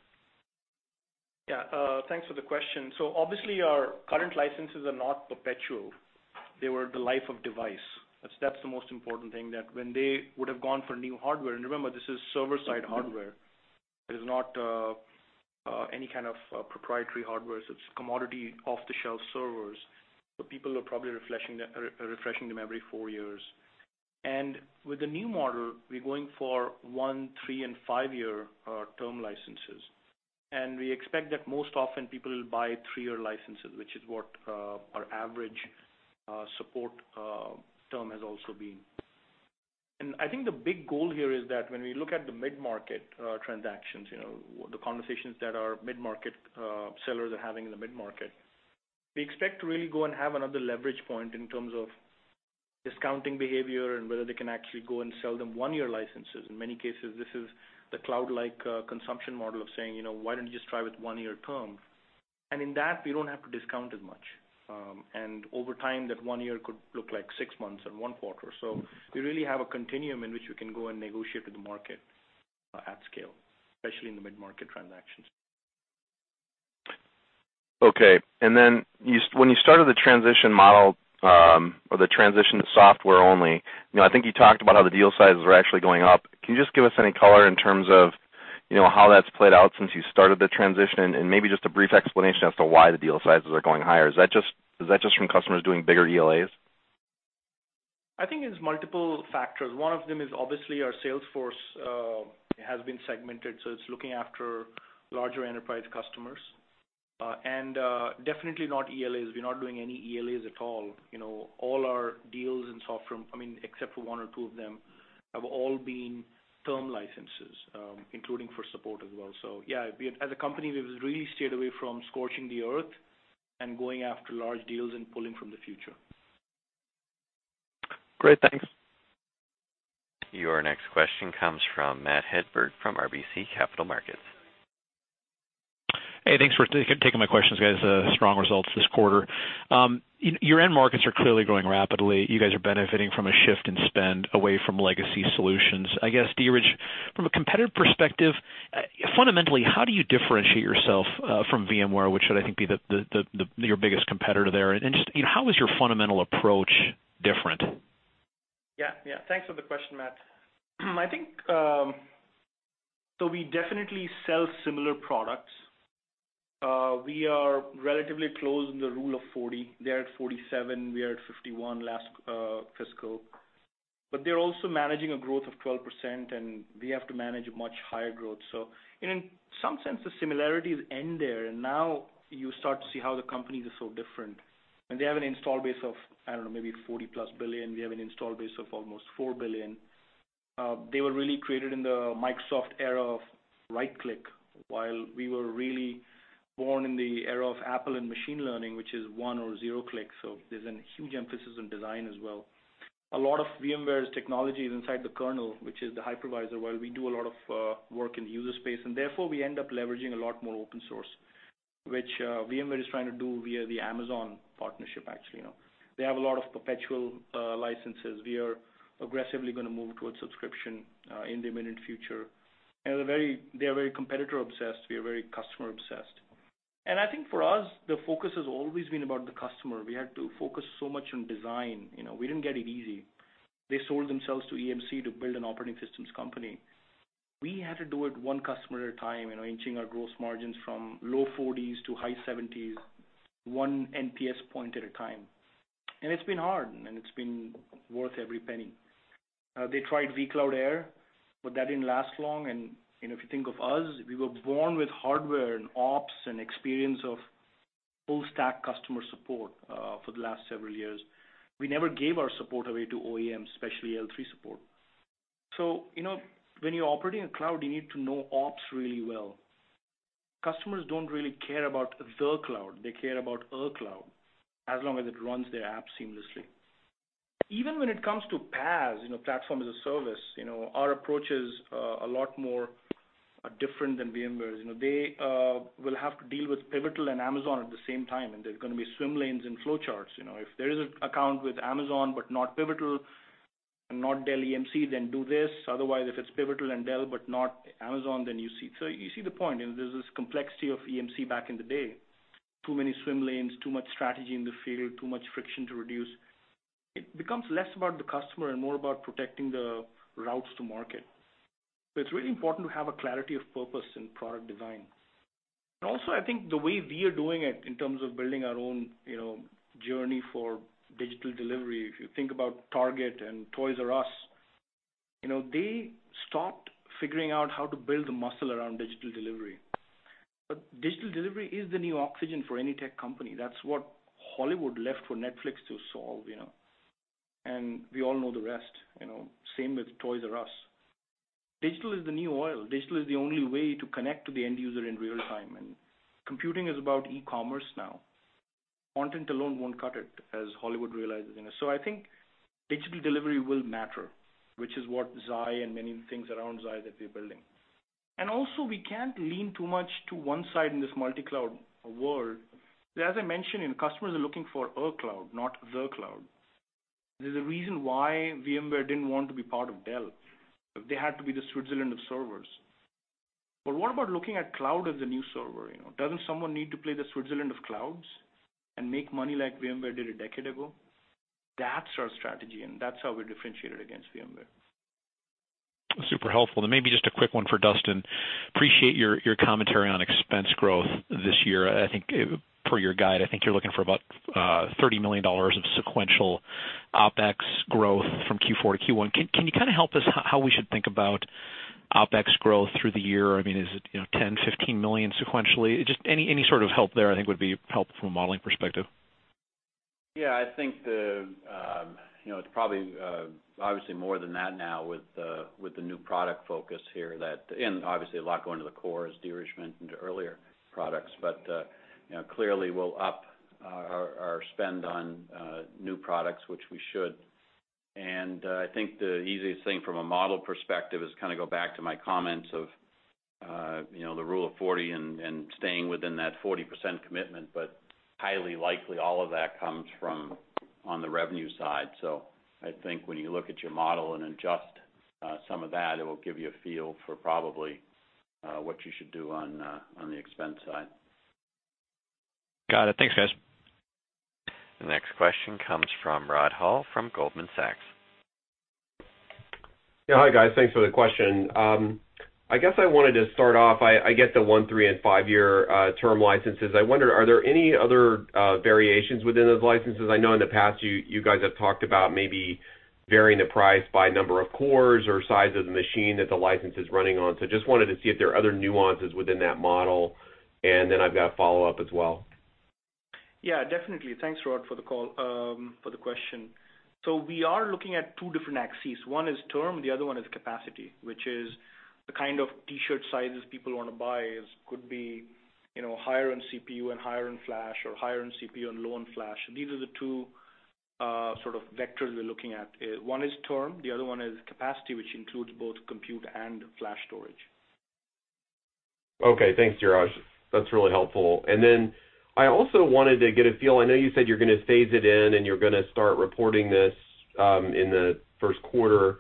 Yeah. Thanks for the question. Obviously our current licenses are not perpetual. They were the life of device. That's the most important thing, that when they would have gone for new hardware, remember, this is server-side hardware. It is not any kind of proprietary hardware. It's commodity off-the-shelf servers. People are probably refreshing them every four years. With the new model, we're going for one, three, and five-year term licenses. We expect that most often people will buy three-year licenses, which is what our average support term has also been. I think the big goal here is that when we look at the mid-market transactions, the conversations that our mid-market sellers are having in the mid-market, we expect to really go and have another leverage point in terms of discounting behavior and whether they can actually go and sell them one-year licenses. In many cases, this is the cloud-like consumption model of saying, why don't you just try with one-year term? In that, we don't have to discount as much. Over time, that one year could look like six months or one quarter. We really have a continuum in which we can go and negotiate with the market. At scale, especially in the mid-market transactions. Okay. When you started the transition model, or the transition to software only, I think you talked about how the deal sizes were actually going up. Can you just give us any color in terms of how that's played out since you started the transition, and maybe just a brief explanation as to why the deal sizes are going higher? Is that just from customers doing bigger ELAs? I think it's multiple factors. One of them is obviously our sales force has been segmented, so it's looking after larger enterprise customers. Definitely not ELAs. We're not doing any ELAs at all. All our deals in software, except for one or two of them, have all been term licenses, including for support as well. Yeah, as a company, we've really stayed away from scorching the earth and going after large deals and pulling from the future. Great. Thanks. Your next question comes from Matthew Hedberg from RBC Capital Markets. Hey, thanks for taking my questions, guys. Strong results this quarter. Your end markets are clearly growing rapidly. You guys are benefiting from a shift in spend away from legacy solutions. I guess, Dheeraj, from a competitive perspective, fundamentally, how do you differentiate yourself from VMware, which should, I think, be your biggest competitor there? Just how is your fundamental approach different? Yeah. Thanks for the question, Matt. We definitely sell similar products. We are relatively close in the Rule of 40. They're at 47, we are at 51 last fiscal. They're also managing a growth of 12%, and we have to manage a much higher growth. In some sense, the similarities end there, and now you start to see how the companies are so different. They have an install base of, I don't know, maybe $40-plus billion. We have an install base of almost $4 billion. They were really created in the Microsoft era of right-click, while we were really born in the era of Apple and machine learning, which is one or zero click. There's a huge emphasis on design as well. A lot of VMware's technology is inside the kernel, which is the hypervisor, while we do a lot of work in the user space, and therefore we end up leveraging a lot more open source. Which VMware is trying to do via the Amazon partnership, actually. They have a lot of perpetual licenses. We are aggressively going to move towards subscription in the immediate future. They are very competitor obsessed. We are very customer obsessed. I think for us, the focus has always been about the customer. We had to focus so much on design. We didn't get it easy. They sold themselves to EMC to build an operating systems company. We had to do it one customer at a time, inching our gross margins from low 40s to high 70s, one NPS point at a time. It's been hard, and it's been worth every penny. They tried vCloud Air, but that didn't last long. If you think of us, we were born with hardware and ops and experience of full stack customer support for the last several years. We never gave our support away to OEMs, especially L3 support. When you're operating a cloud, you need to know ops really well. Customers don't really care about the cloud. They care about a cloud, as long as it runs their app seamlessly. Even when it comes to PaaS, Platform as a Service, our approach is a lot more different than VMware's. They will have to deal with Pivotal and Amazon at the same time, and there's going to be swim lanes and flowcharts. If there is an account with Amazon, but not Pivotal and not Dell EMC, then do this. Otherwise, if it's Pivotal and Dell but not Amazon, then you see. You see the point. There is this complexity of EMC back in the day. Too many swim lanes, too much strategy in the field, too much friction to reduce. It becomes less about the customer and more about protecting the routes to market. It is really important to have a clarity of purpose in product design. Also, I think the way we are doing it in terms of building our own journey for digital delivery, if you think about Target and Toys R Us, they stopped figuring out how to build the muscle around digital delivery. Digital delivery is the new oxygen for any tech company. That is what Hollywood left for Netflix to solve. We all know the rest. Same with Toys R Us. Digital is the new oil. Digital is the only way to connect to the end user in real time, computing is about e-commerce now. Content alone won't cut it, as Hollywood realizes. I think digital delivery will matter, which is what Xi and many of the things around Xi that we are building. Also, we can't lean too much to one side in this multi-cloud world. As I mentioned, customers are looking for a cloud, not the cloud. There is a reason why VMware didn't want to be part of Dell. They had to be the Switzerland of servers. What about looking at cloud as a new server? Doesn't someone need to play the Switzerland of clouds and make money like VMware did a decade ago? That is our strategy, that is how we are differentiated against VMware. Super helpful. Maybe just a quick one for Duston. Appreciate your commentary on expense growth this year. I think for your guide, I think you are looking for about $30 million of sequential OpEx growth from Q4 to Q1. Can you help us how we should think about OpEx growth through the year? Is it $10 million, $15 million sequentially? Just any sort of help there I think would be helpful from a modeling perspective. I think it is probably obviously more than that now with the new product focus here that, and obviously a lot going to the core, as Dheeraj mentioned, earlier products. Clearly we will up our spend on new products, which we should. I think the easiest thing from a model perspective is go back to my comments of The Rule of 40 and staying within that 40% commitment, highly likely all of that comes from on the revenue side. I think when you look at your model and adjust some of that, it will give you a feel for probably what you should do on the expense side. Got it. Thanks, guys. The next question comes from Rod Hall from Goldman Sachs. Hi, guys. Thanks for the question. I guess I wanted to start off, I get the one, three and five-year term licenses. I wonder, are there any other variations within those licenses? I know in the past you guys have talked about maybe varying the price by number of cores or size of the machine that the license is running on. Just wanted to see if there are other nuances within that model, and then I've got a follow-up as well. Definitely. Thanks, Rod, for the question. We are looking at two different axes. One is term, the other one is capacity, which is the kind of T-shirt sizes people want to buy. It could be higher on CPU and higher on flash, or higher on CPU and low on flash. These are the two sort of vectors we're looking at. One is term, the other one is capacity, which includes both compute and flash storage. Okay, thanks, Dheeraj. That's really helpful. I also wanted to get a feel, I know you said you're going to phase it in, and you're going to start reporting this in the first quarter.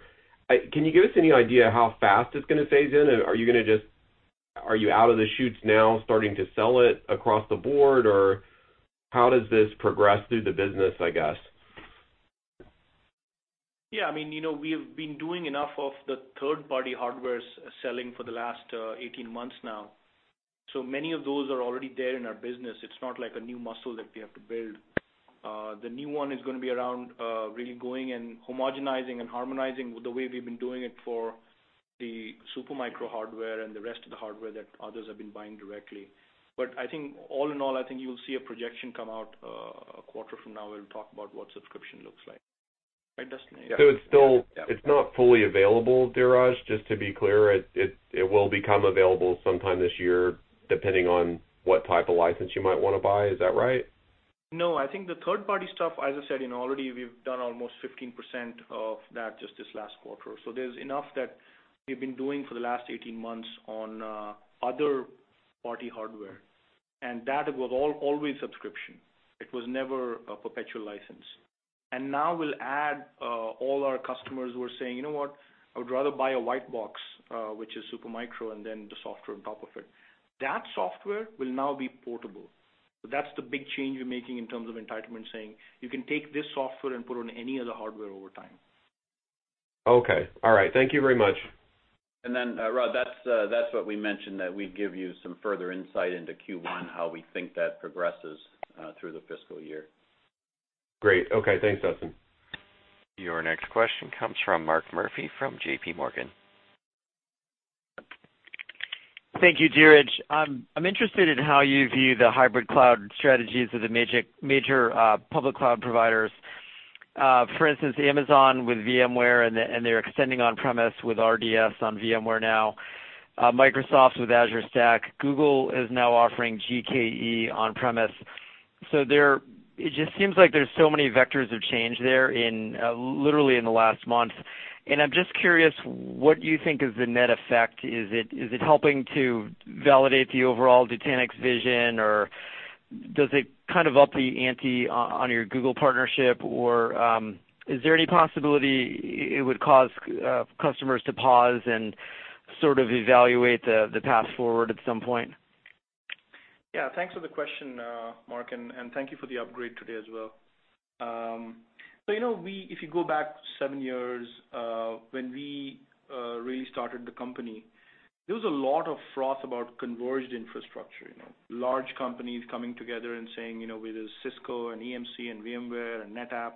Can you give us any idea how fast it's going to phase in? Are you out of the shoots now starting to sell it across the board, or how does this progress through the business, I guess? Yeah. We've been doing enough of the third-party hardware selling for the last 18 months now. Many of those are already there in our business. It's not like a new muscle that we have to build. The new one is going to be around really going and homogenizing and harmonizing with the way we've been doing it for the Supermicro hardware and the rest of the hardware that others have been buying directly. I think all in all, I think you'll see a projection come out a quarter from now where we'll talk about what subscription looks like. Right, Duston? It's not fully available, Dheeraj, just to be clear. It will become available sometime this year, depending on what type of license you might want to buy. Is that right? No, I think the third-party stuff, as I said, already we've done almost 15% of that just this last quarter. There's enough that we've been doing for the last 18 months on other party hardware, and that was all always subscription. It was never a perpetual license. Now we'll add all our customers who are saying, "You know what? I would rather buy a white box," which is Supermicro, and then the software on top of it. That software will now be portable. That's the big change we're making in terms of entitlement, saying, "You can take this software and put it on any other hardware over time. Okay. All right. Thank you very much. Rod, that's what we mentioned, that we'd give you some further insight into Q1, how we think that progresses through the fiscal year. Great. Okay, thanks, Duston. Your next question comes from Mark Murphy from J.P. Morgan. Thank you, Dheeraj. I'm interested in how you view the hybrid cloud strategies of the major public cloud providers. For instance, Amazon with VMware, and they're extending on-premise with RDS on VMware now. Microsoft with Azure Stack. Google is now offering GKE on-premise. It just seems like there's so many vectors of change there literally in the last month, and I'm just curious what you think is the net effect. Is it helping to validate the overall Nutanix vision, or does it kind of up the ante on your Google partnership, or is there any possibility it would cause customers to pause and sort of evaluate the path forward at some point? Yeah, thanks for the question, Mark, and thank you for the upgrade today as well. If you go back seven years, when we really started the company, there was a lot of froth about converged infrastructure. Large companies coming together and saying, whether it's Cisco and EMC and VMware and NetApp,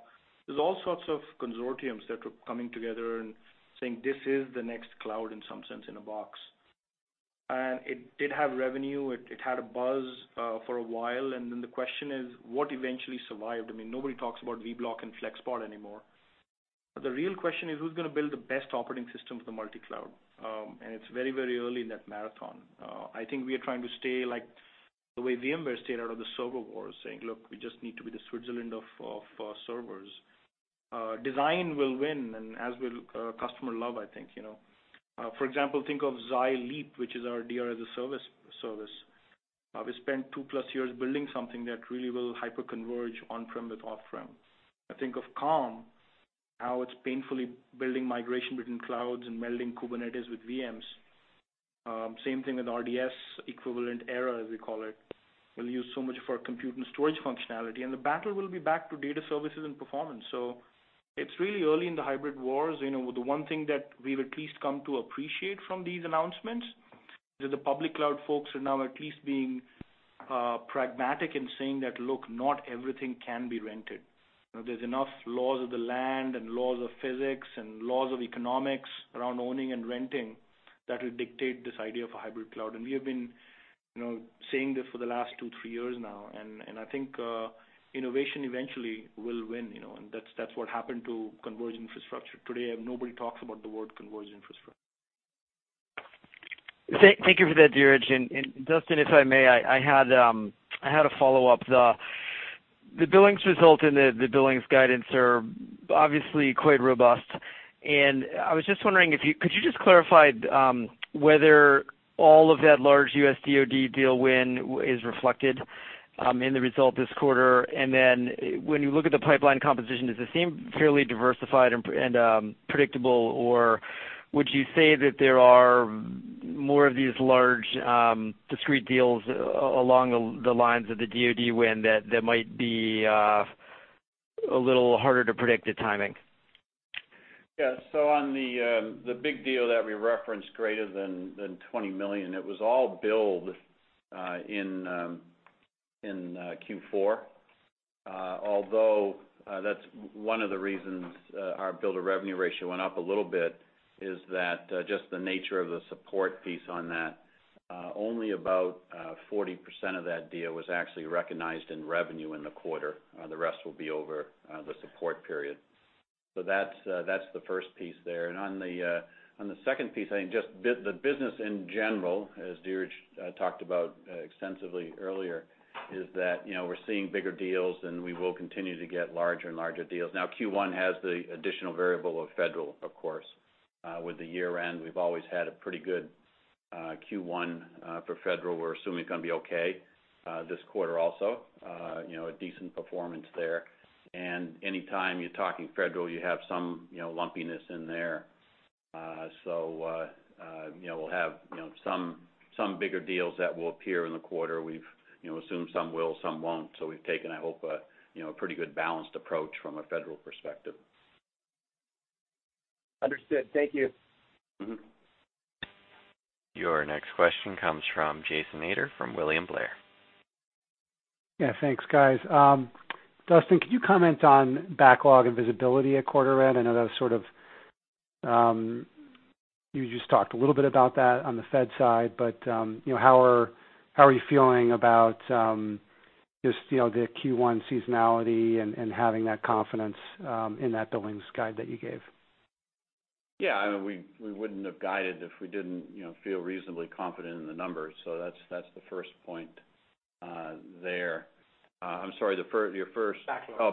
there's all sorts of consortiums that were coming together and saying, "This is the next cloud in some sense in a box." It did have revenue. It had a buzz for a while, and then the question is what eventually survived? Nobody talks about Vblock and FlexPod anymore. The real question is, who's going to build the best operating system for the multi-cloud? It's very, very early in that marathon. I think we are trying to stay, like the way VMware stayed out of the server war, saying, "Look, we just need to be the Switzerland of servers." Design will win, as will customer love, I think. For example, think of Xi Leap, which is our DR as a service. We spent two-plus years building something that really will hyper-converge on-prem with off-prem. I think of Calm, how it's painfully building migration between clouds and melding Kubernetes with VMs. Same thing with RDS equivalent Era, as we call it. We'll use so much for compute and storage functionality, the battle will be back to data services and performance. It's really early in the hybrid wars. The one thing that we've at least come to appreciate from these announcements is the public cloud folks are now at least being pragmatic in saying that, "Look, not everything can be rented." There's enough laws of the land and laws of physics and laws of economics around owning and renting that will dictate this idea of a hybrid cloud. We have been saying this for the last two, three years now, and I think innovation eventually will win, and that's what happened to converged infrastructure. Today, nobody talks about the word converged infrastructure. Thank you for that, Dheeraj. Duston, if I may, I had a follow-up. The billings result and the billings guidance are obviously quite robust. I was just wondering, could you just clarify whether all of that large U.S. DoD deal win is reflected in the result this quarter? When you look at the pipeline composition, does it seem fairly diversified and predictable, or would you say that there are more of these large discrete deals along the lines of the DoD win that might be a little harder to predict the timing? On the big deal that we referenced greater than $20 million, it was all billed in Q4. Although that's one of the reasons our bill to revenue ratio went up a little bit, is that just the nature of the support piece on that. Only about 40% of that deal was actually recognized in revenue in the quarter. The rest will be over the support period. That's the first piece there. On the second piece, I think just the business in general, as Dheeraj talked about extensively earlier, is that we're seeing bigger deals and we will continue to get larger and larger deals. Q1 has the additional variable of federal, of course. With the year-end, we've always had a pretty good Q1 for federal. We're assuming it's going to be okay this quarter also. A decent performance there. Anytime you're talking federal, you have some lumpiness in there. We'll have some bigger deals that will appear in the quarter. We've assumed some will, some won't. We've taken, I hope, a pretty good balanced approach from a federal perspective. Understood. Thank you. Your next question comes from Jason Ader from William Blair. Thanks guys. Duston, could you comment on backlog and visibility at quarter end? I know that you just talked a little bit about that on the fed side, but how are you feeling about just the Q1 seasonality and having that confidence in that billings guide that you gave? We wouldn't have guided if we didn't feel reasonably confident in the numbers. That's the first point there. Backlog.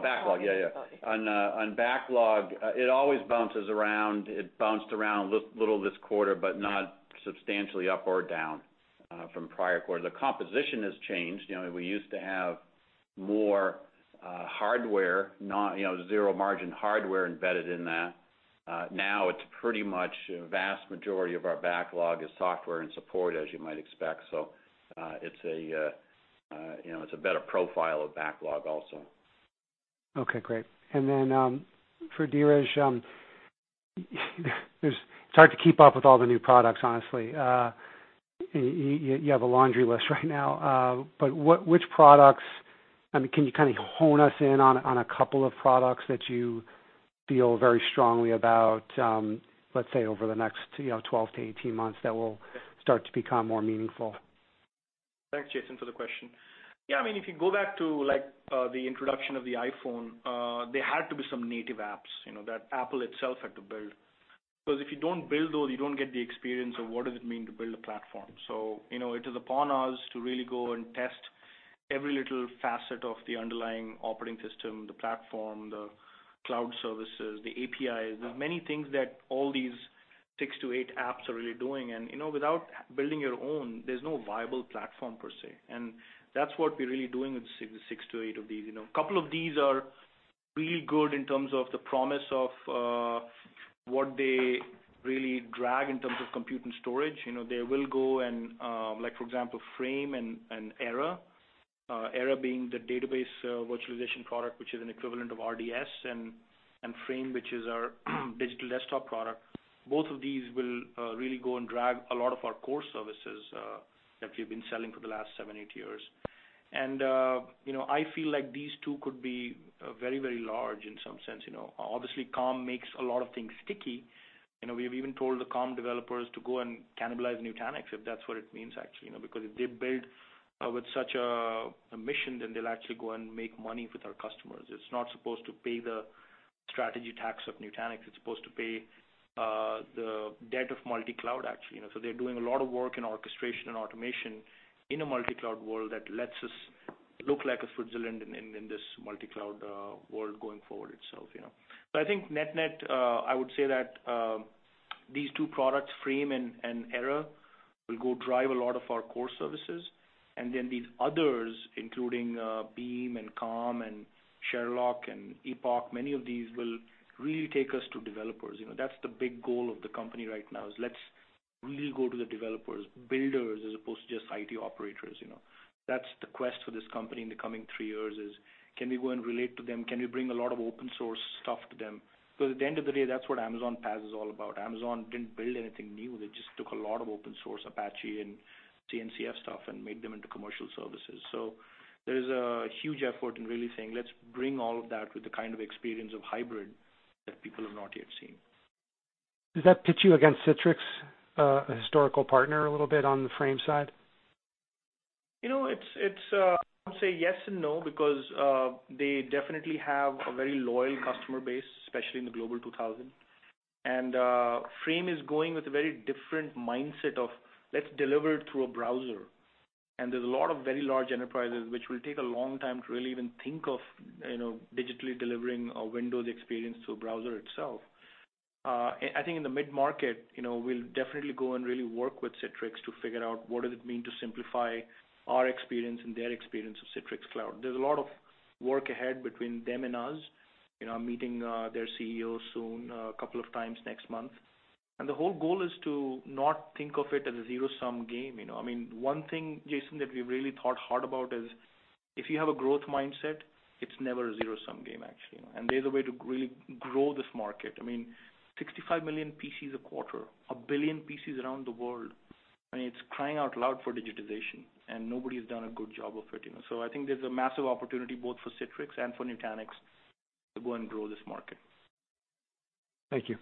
Backlog. Yeah. Okay. On backlog, it always bounces around. It bounced around a little this quarter, but not substantially up or down from prior quarters. The composition has changed. We used to have more hardware, zero margin hardware embedded in that. Now it's pretty much a vast majority of our backlog is software and support, as you might expect. It's a better profile of backlog also. Okay, great. For Dheeraj, it's hard to keep up with all the new products, honestly. You have a laundry list right now. Which products, can you kind of hone us in on a couple of products that you feel very strongly about, let's say, over the next 12 to 18 months that will start to become more meaningful? Thanks, Jason, for the question. Yeah, if you go back to the introduction of the iPhone, there had to be some native apps that Apple itself had to build, because if you don't build those, you don't get the experience of what does it mean to build a platform. It is upon us to really go and test every little facet of the underlying operating system, the platform, the cloud services, the APIs. There are many things that all these six to eight apps are really doing, and without building your own, there's no viable platform per se. That's what we're really doing with six to eight of these. A couple of these are really good in terms of the promise of what they really drag in terms of compute and storage. They will go and, like for example, Frame and Era. Era being the database virtualization product, which is an equivalent of RDS, and Frame, which is our digital desktop product. Both of these will really go and drive a lot of our core services that we've been selling for the last seven, eight years. I feel like these two could be very large in some sense. Obviously, Calm makes a lot of things sticky. We've even told the Calm developers to go and cannibalize Nutanix, if that's what it means, actually. Because if they build with such a mission, then they'll actually go and make money with our customers. It's not supposed to pay the strategy tax of Nutanix. It's supposed to pay the debt of multi-cloud, actually. They're doing a lot of work in orchestration and automation in a multi-cloud world that lets us look like a Switzerland in this multi-cloud world going forward itself. I think net, I would say that these two products, Frame and Era, will go drive a lot of our core services. Then these others, including Beam and Calm and Sherlock and Epoch, many of these will really take us to developers. That's the big goal of the company right now is let's really go to the developers, builders, as opposed to just IT operators. That's the quest for this company in the coming three years is can we go and relate to them? Can we bring a lot of open source stuff to them? Because at the end of the day, that's what Amazon PaaS is all about. Amazon didn't build anything new. They just took a lot of open source Apache and CNCF stuff and made them into commercial services. There is a huge effort in really saying, let's bring all of that with the kind of experience of hybrid that people have not yet seen. Does that pit you against Citrix, a historical partner, a little bit on the Frame side? I would say yes and no, because they definitely have a very loyal customer base, especially in the Global 2000. Frame is going with a very different mindset of let's deliver it through a browser. There's a lot of very large enterprises which will take a long time to really even think of digitally delivering a Windows experience to a browser itself. I think in the mid-market, we'll definitely go and really work with Citrix to figure out what does it mean to simplify our experience and their experience of Citrix Cloud. There's a lot of work ahead between them and us. I'm meeting their CEO soon, a couple of times next month. The whole goal is to not think of it as a zero-sum game. One thing, Jason, that we really thought hard about is if you have a growth mindset, it's never a zero-sum game, actually. There's a way to really grow this market. 65 million PCs a quarter, 1 billion PCs around the world. It's crying out loud for digitization, and nobody has done a good job of it. I think there's a massive opportunity both for Citrix and for Nutanix to go and grow this market. Thank you.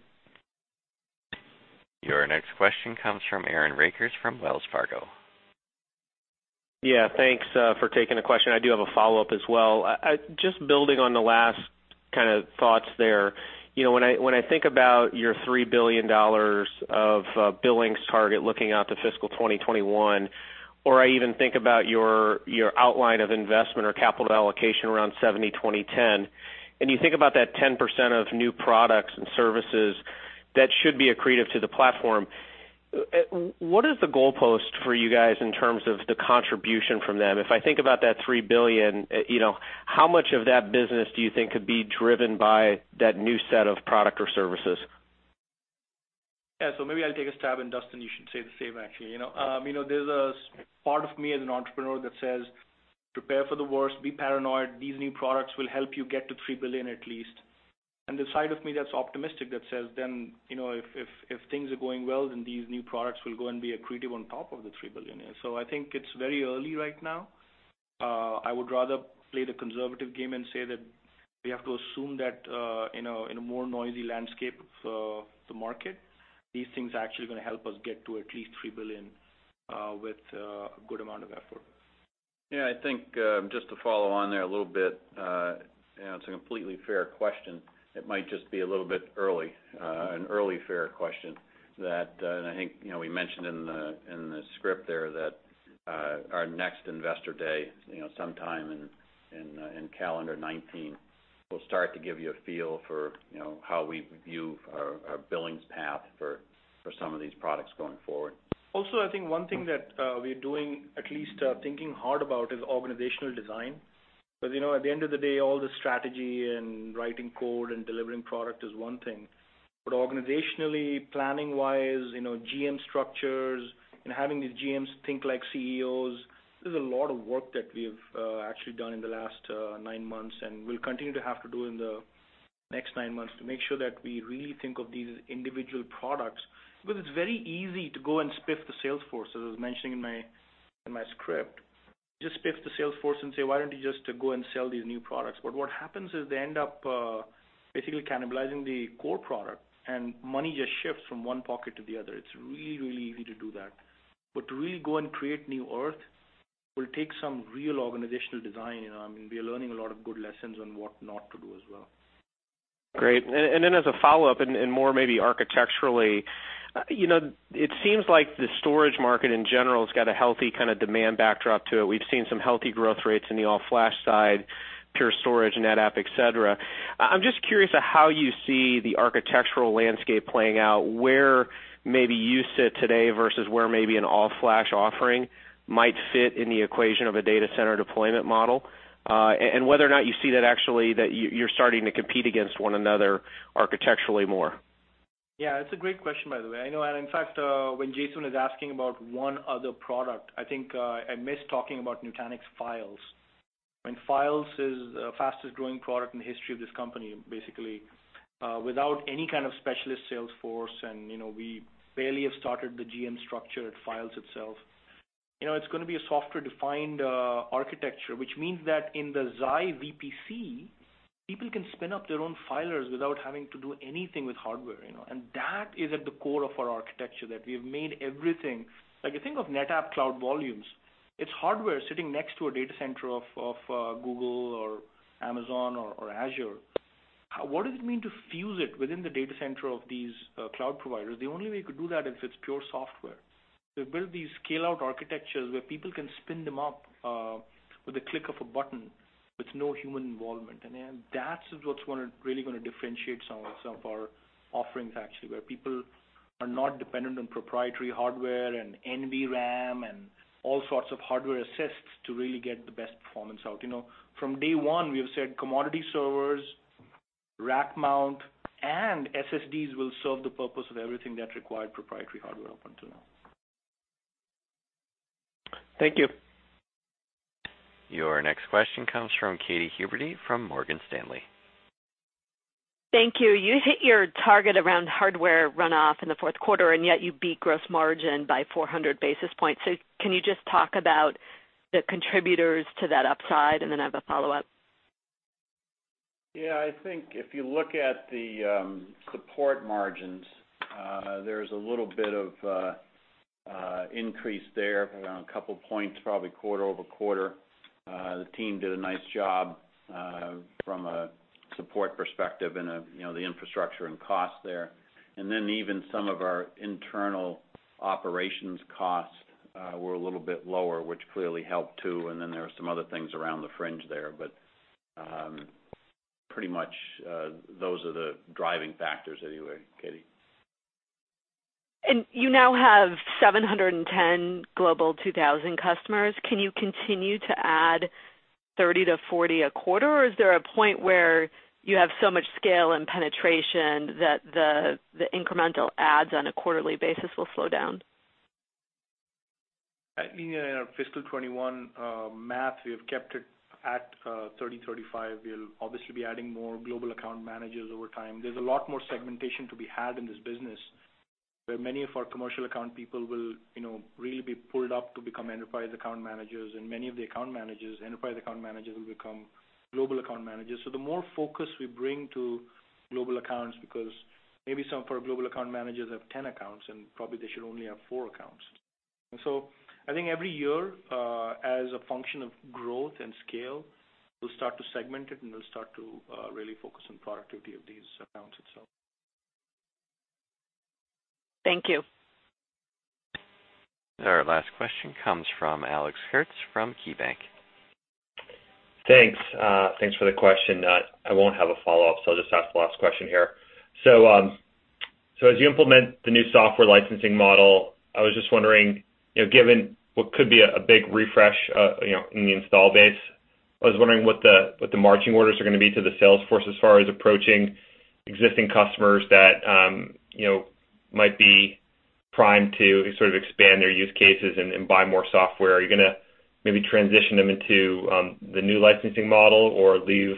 Your next question comes from Aaron Rakers from Wells Fargo. Yeah. Thanks for taking the question. I do have a follow-up as well. Just building on the last thoughts there. When I think about your $3 billion of billings target looking out to fiscal 2021, or I even think about your outline of investment or capital allocation around 70/20/10, and you think about that 10% of new products and services that should be accretive to the platform, what is the goalpost for you guys in terms of the contribution from them? If I think about that $3 billion, how much of that business do you think could be driven by that new set of product or services? Maybe I'll take a stab, and Duston, you should say the same, actually. There's a part of me as an entrepreneur that says, "Prepare for the worst, be paranoid. These new products will help you get to $3 billion at least." The side of me that's optimistic that says, "If things are going well, these new products will go and be accretive on top of the $3 billion." I think it's very early right now. I would rather play the conservative game and say that we have to assume that in a more noisy landscape of the market, these things are actually going to help us get to at least $3 billion with a good amount of effort. I think just to follow on there a little bit, it's a completely fair question, it might just be a little bit early, an early fair question that I think we mentioned in the script there that our next Investor Day, sometime in calendar 2019, we'll start to give you a feel for how we view our billings path for some of these products going forward. Also, I think one thing that we're doing, at least thinking hard about, is organizational design. Because at the end of the day, all the strategy and writing code and delivering product is one thing. Organizationally, planning-wise, GM structures, and having these GMs think like CEOs, there's a lot of work that we've actually done in the last nine months, and we'll continue to have to do in the next nine months to make sure that we really think of these as individual products. Because it's very easy to go and spiff the sales forces, as mentioned in my script. Just spiff the sales force and say, "Why don't you just go and sell these new products?" What happens is they end up basically cannibalizing the core product, and money just shifts from one pocket to the other. It's really easy to do that. To really go and create new earth will take some real organizational design. We are learning a lot of good lessons on what not to do as well. Great. As a follow-up, more maybe architecturally, it seems like the storage market in general has got a healthy kind of demand backdrop to it. We've seen some healthy growth rates in the all-flash side, Pure Storage, NetApp, et cetera. I'm just curious how you see the architectural landscape playing out, where maybe you sit today versus where maybe an all-flash offering might fit in the equation of a data center deployment model. Whether or not you see that actually that you're starting to compete against one another architecturally more. Yeah, it's a great question, by the way. I know, in fact, when Jason was asking about one other product, I think I missed talking about Nutanix Files. Files is the fastest-growing product in the history of this company, basically, without any kind of specialist sales force, and we barely have started the GM structure at Files itself. It's going to be a software-defined architecture, which means that in the Xi VPC, people can spin up their own files without having to do anything with hardware. That is at the core of our architecture, that we've made everything If you think of NetApp Cloud Volumes, it's hardware sitting next to a data center of Google or Amazon or Azure. What does it mean to fuse it within the data center of these cloud providers? The only way you could do that is if it's pure software. Build these scale-out architectures where people can spin them up with a click of a button with no human involvement. That's what's really going to differentiate some of our offerings actually, where people are not dependent on proprietary hardware and NVRAM and all sorts of hardware assists to really get the best performance out. From day one, we have said commodity servers, rack mount, and SSDs will serve the purpose of everything that required proprietary hardware up until now. Thank you. Your next question comes from Katy Huberty from Morgan Stanley. Thank you. You hit your target around hardware runoff in the fourth quarter, yet you beat gross margin by 400 basis points. Can you just talk about the contributors to that upside? Then I have a follow-up. Yeah, I think if you look at the support margins there's a little bit of increase there, around a couple points, probably quarter-over-quarter. The team did a nice job from a support perspective in the infrastructure and cost there. Even some of our internal operations costs were a little bit lower, which clearly helped too, then there were some other things around the fringe there. Pretty much those are the driving factors anyway, Katy. You now have 710 Global 2000 customers. Can you continue to add 30 to 40 a quarter, or is there a point where you have so much scale and penetration that the incremental adds on a quarterly basis will slow down? In our fiscal 2021 math, we have kept it at 30, 35. We'll obviously be adding more global account managers over time. There's a lot more segmentation to be had in this business, where many of our commercial account people will really be pulled up to become enterprise account managers, and many of the enterprise account managers will become global account managers. The more focus we bring to global accounts, because maybe some of our global account managers have 10 accounts, and probably they should only have four accounts. I think every year, as a function of growth and scale, we'll start to segment it, and we'll start to really focus on productivity of these accounts itself. Thank you. Our last question comes from Alex Kurtz from KeyBanc. Thanks. Thanks for the question. I won't have a follow-up, so I'll just ask the last question here. As you implement the new software licensing model, I was just wondering, given what could be a big refresh in the install base, I was wondering what the marching orders are going to be to the sales force as far as approaching existing customers that might be primed to expand their use cases and buy more software. Are you going to maybe transition them into the new licensing model or leave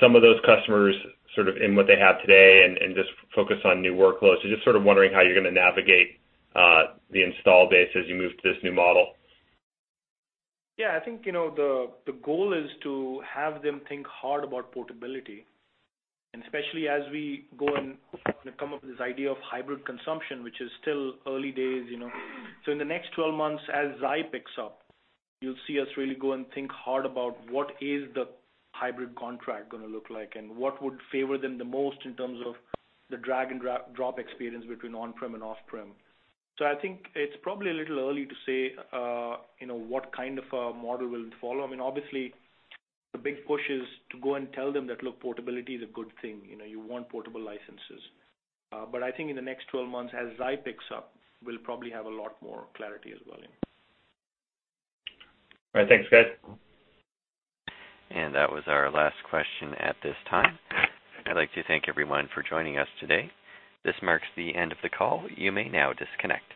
some of those customers in what they have today and just focus on new workloads? Just wondering how you're going to navigate the install base as you move to this new model. Yeah, I think, the goal is to have them think hard about portability, and especially as we go and come up with this idea of hybrid consumption, which is still early days. In the next 12 months, as Xi picks up, you'll see us really go and think hard about what is the hybrid contract going to look like and what would favor them the most in terms of the drag and drop experience between on-prem and off-prem. I think it's probably a little early to say what kind of a model we'll follow. Obviously, the big push is to go and tell them that, look, portability is a good thing. You want portable licenses. I think in the next 12 months, as Xi picks up, we'll probably have a lot more clarity as well. All right. Thanks, guys. That was our last question at this time. I'd like to thank everyone for joining us today. This marks the end of the call. You may now disconnect.